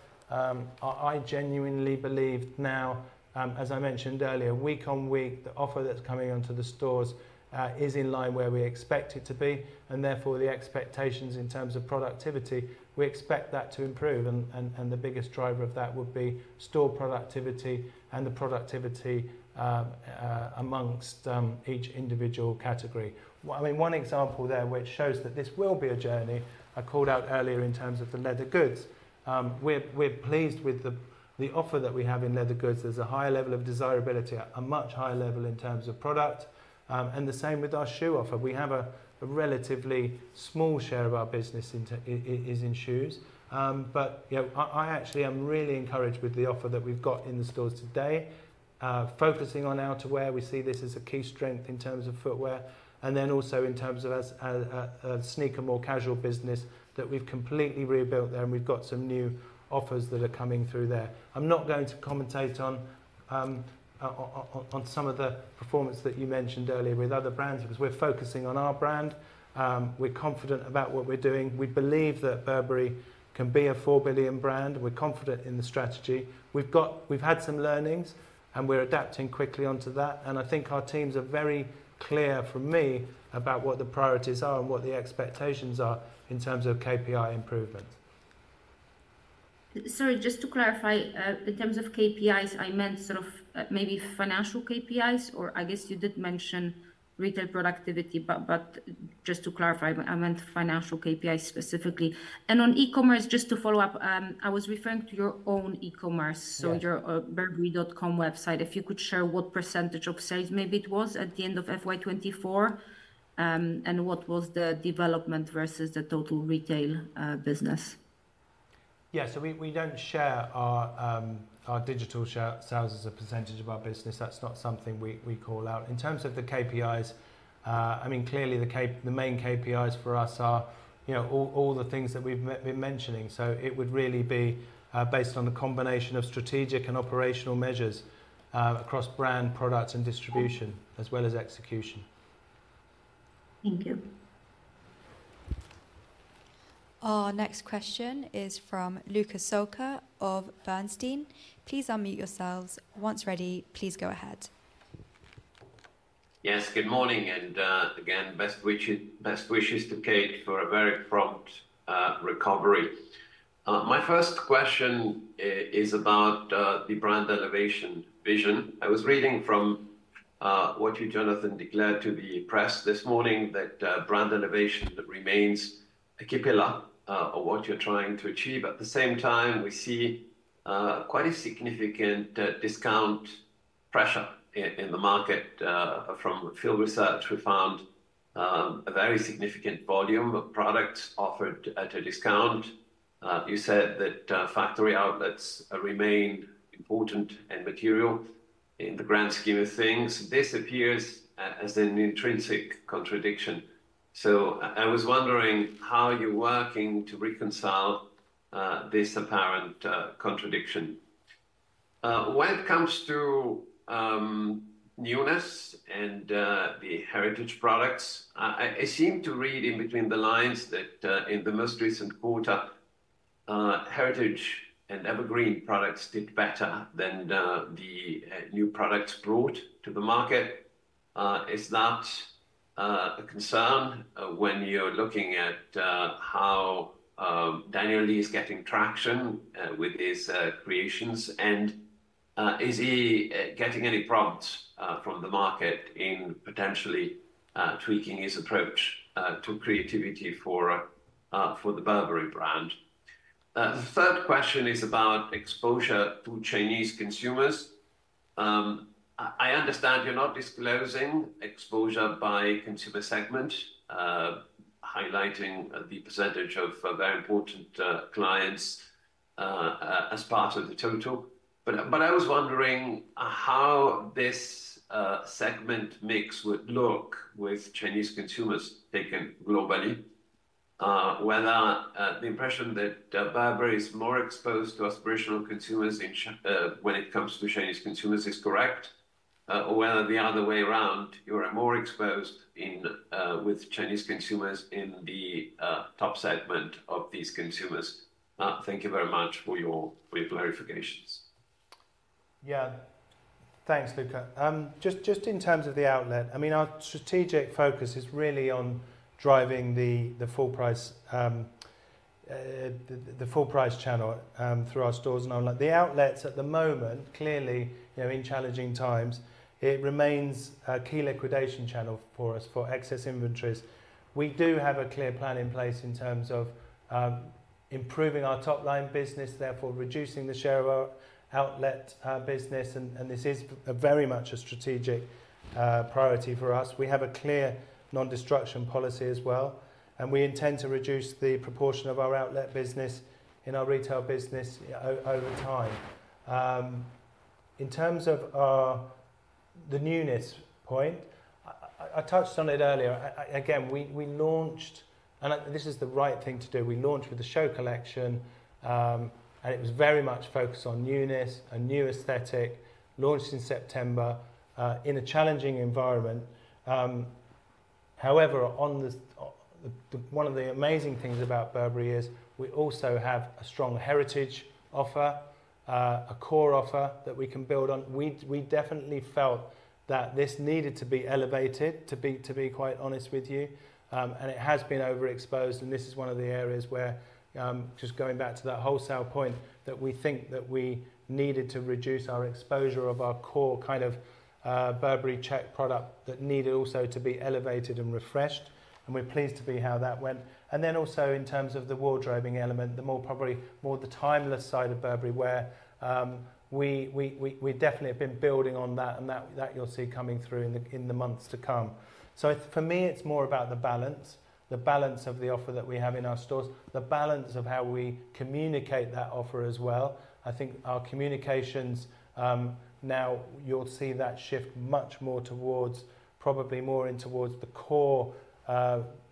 I genuinely believe now, as I mentioned earlier, week on week, the offer that's coming onto the stores is in line where we expect it to be. And therefore, the expectations in terms of productivity, we expect that to improve. And the biggest driver of that would be store productivity and the productivity among each individual category. I mean, one example there which shows that this will be a journey, I called out earlier in terms of the leather goods. We're pleased with the offer that we have in leather goods. There's a higher level of desirability, a much higher level in terms of product. And the same with our shoe offer. We have a relatively small share of our business is in shoes. But I actually am really encouraged with the offer that we've got in the stores today, focusing on outerwear. We see this as a key strength in terms of footwear. And then also in terms of as a sneaker, more casual business that we've completely rebuilt there. And we've got some new offers that are coming through there. I'm not going to commentate on some of the performance that you mentioned earlier with other brands because we're focusing on our brand. We're confident about what we're doing. We believe that Burberry can be a 4 billion brand. We're confident in the strategy. We've had some learnings. We're adapting quickly onto that. I think our teams are very clear from me about what the priorities are and what the expectations are in terms of KPI improvements. Sorry, just to clarify, in terms of KPIs, I meant sort of maybe financial KPIs? Or I guess you did mention retail productivity. But just to clarify, I meant financial KPIs specifically. And on e-commerce, just to follow up, I was referring to your own e-commerce, so your Burberry.com website. If you could share what percentage of sales maybe it was at the end of FY 2024 and what was the development versus the total retail business. Yeah. So we don't share our digital sales as a percentage of our business. That's not something we call out. In terms of the KPIs, I mean, clearly, the main KPIs for us are all the things that we've been mentioning. So it would really be based on the combination of strategic and operational measures across brand, product, and distribution, as well as execution. Thank you. Our next question is from Luca Solca of Bernstein. Please unmute yourselves. Once ready, please go ahead. Yes. Good morning. And again, best wishes to Kate for a very prompt recovery. My first question is about the brand elevation vision. I was reading from what you, Jonathan, declared to the press this morning that brand elevation remains a key pillar of what you're trying to achieve. At the same time, we see quite a significant discount pressure in the market. From field research, we found a very significant volume of products offered at a discount. You said that factory outlets remain important and material in the grand scheme of things. This appears as an intrinsic contradiction. So I was wondering how you're working to reconcile this apparent contradiction. When it comes to newness and the heritage products, I seem to read in between the lines that in the most recent quarter, heritage and evergreen products did better than the new products brought to the market. Is that a concern when you're looking at how Daniel is getting traction with his creations? And is he getting any prompts from the market in potentially tweaking his approach to creativity for the Burberry brand? The third question is about exposure to Chinese consumers. I understand you're not disclosing exposure by consumer segment, highlighting the percentage of very important clients as part of the total. But I was wondering how this segment mix would look with Chinese consumers taken globally, whether the impression that Burberry is more exposed to aspirational consumers when it comes to Chinese consumers is correct, or whether the other way around, you're more exposed with Chinese consumers in the top segment of these consumers. Thank you very much for your clarifications. Yeah. Thanks, Luca. Just in terms of the outlet, I mean, our strategic focus is really on driving the full price channel through our stores and online. The outlets at the moment, clearly, in challenging times, it remains a key liquidation channel for us for excess inventories. We do have a clear plan in place in terms of improving our top-line business, therefore reducing the share of our outlet business. And this is very much a strategic priority for us. We have a clear non-destruction policy as well. And we intend to reduce the proportion of our outlet business in our retail business over time. In terms of the newness point, I touched on it earlier. Again, we launched and this is the right thing to do. We launched with the show collection. And it was very much focused on newness, a new aesthetic, launched in September in a challenging environment. However, one of the amazing things about Burberry is we also have a strong heritage offer, a core offer that we can build on. We definitely felt that this needed to be elevated, to be quite honest with you. And it has been overexposed. And this is one of the areas where, just going back to that wholesale point, that we think that we needed to reduce our exposure of our core kind of Burberry Check product that needed also to be elevated and refreshed. And we're pleased to be how that went. And then also in terms of the wardrobing element, the more probably more the timeless side of Burberry wear, we definitely have been building on that. And that you'll see coming through in the months to come. So for me, it's more about the balance, the balance of the offer that we have in our stores, the balance of how we communicate that offer as well. I think our communications now, you'll see that shift much more towards, probably more in towards the core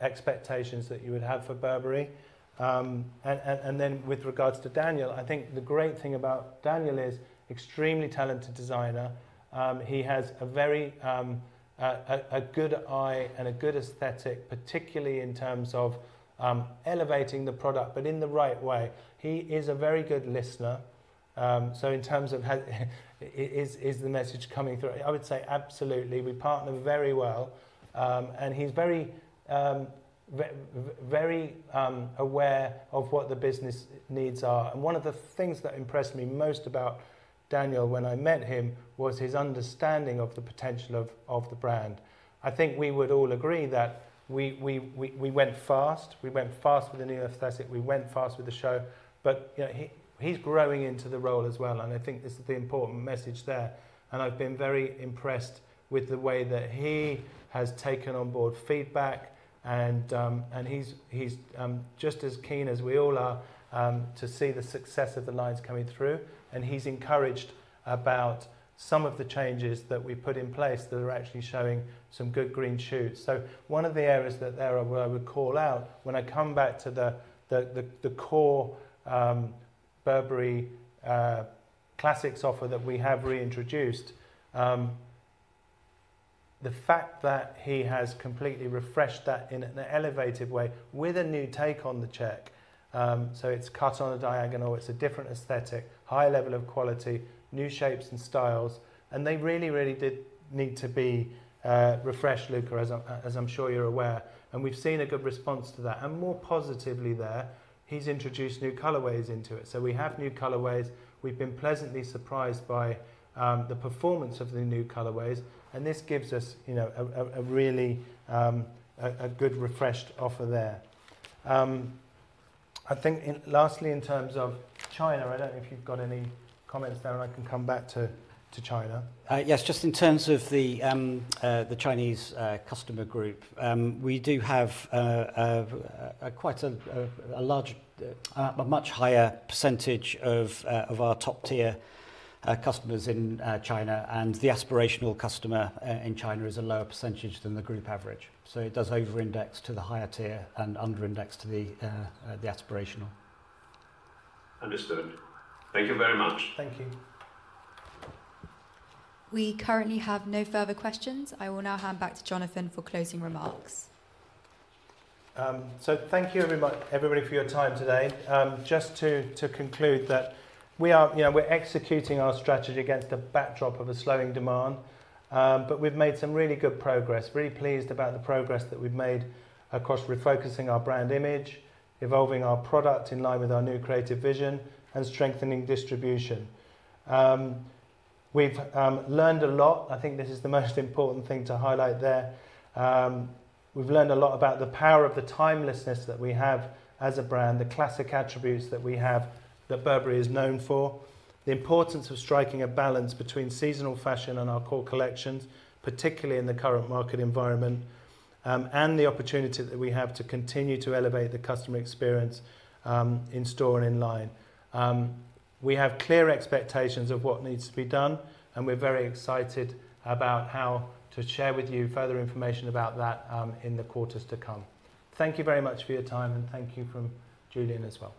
expectations that you would have for Burberry. And then with regards to Daniel, I think the great thing about Daniel is extremely talented designer. He has a very good eye and a good aesthetic, particularly in terms of elevating the product, but in the right way. He is a very good listener. So in terms of, is the message coming through? I would say absolutely. We partner very well. And he's very aware of what the business needs are. And one of the things that impressed me most about Daniel when I met him was his understanding of the potential of the brand. I think we would all agree that we went fast. We went fast with the new aesthetic. We went fast with the show. But he's growing into the role as well. And I think this is the important message there. And I've been very impressed with the way that he has taken on board feedback. And he's just as keen as we all are to see the success of the lines coming through. And he's encouraged about some of the changes that we put in place that are actually showing some good green shoots. So one of the areas that there are where I would call out, when I come back to the core Burberry Classics offer that we have reintroduced, the fact that he has completely refreshed that in an elevated way with a new take on the check. So it's cut on a diagonal. It's a different aesthetic, high level of quality, new shapes and styles. And they really, really did need to be refreshed, Luca, as I'm sure you're aware. And we've seen a good response to that. And more positively there, he's introduced new colorways into it. So we have new colorways. We've been pleasantly surprised by the performance of the new colorways. And this gives us a really good refreshed offer there. I think lastly, in terms of China, I don't know if you've got any comments there. And I can come back to China. Yes. Just in terms of the Chinese customer group, we do have quite a large, a much higher percentage of our top-tier customers in China. And the aspirational customer in China is a lower percentage than the group average. So it does over-index to the higher tier and under-index to the aspirational. Understood. Thank you very much. Thank you. We currently have no further questions. I will now hand back to Jonathan for closing remarks. So thank you, everybody, for your time today. Just to conclude that we're executing our strategy against a backdrop of a slowing demand. But we've made some really good progress, really pleased about the progress that we've made across refocusing our brand image, evolving our product in line with our new creative vision, and strengthening distribution. We've learned a lot. I think this is the most important thing to highlight there. We've learned a lot about the power of the timelessness that we have as a brand, the classic attributes that we have that Burberry is known for, the importance of striking a balance between seasonal fashion and our core collections, particularly in the current market environment, and the opportunity that we have to continue to elevate the customer experience in store and in line. We have clear expectations of what needs to be done. We're very excited about how to share with you further information about that in the quarters to come. Thank you very much for your time. Thank you from Julian as well. Thank you. Bye.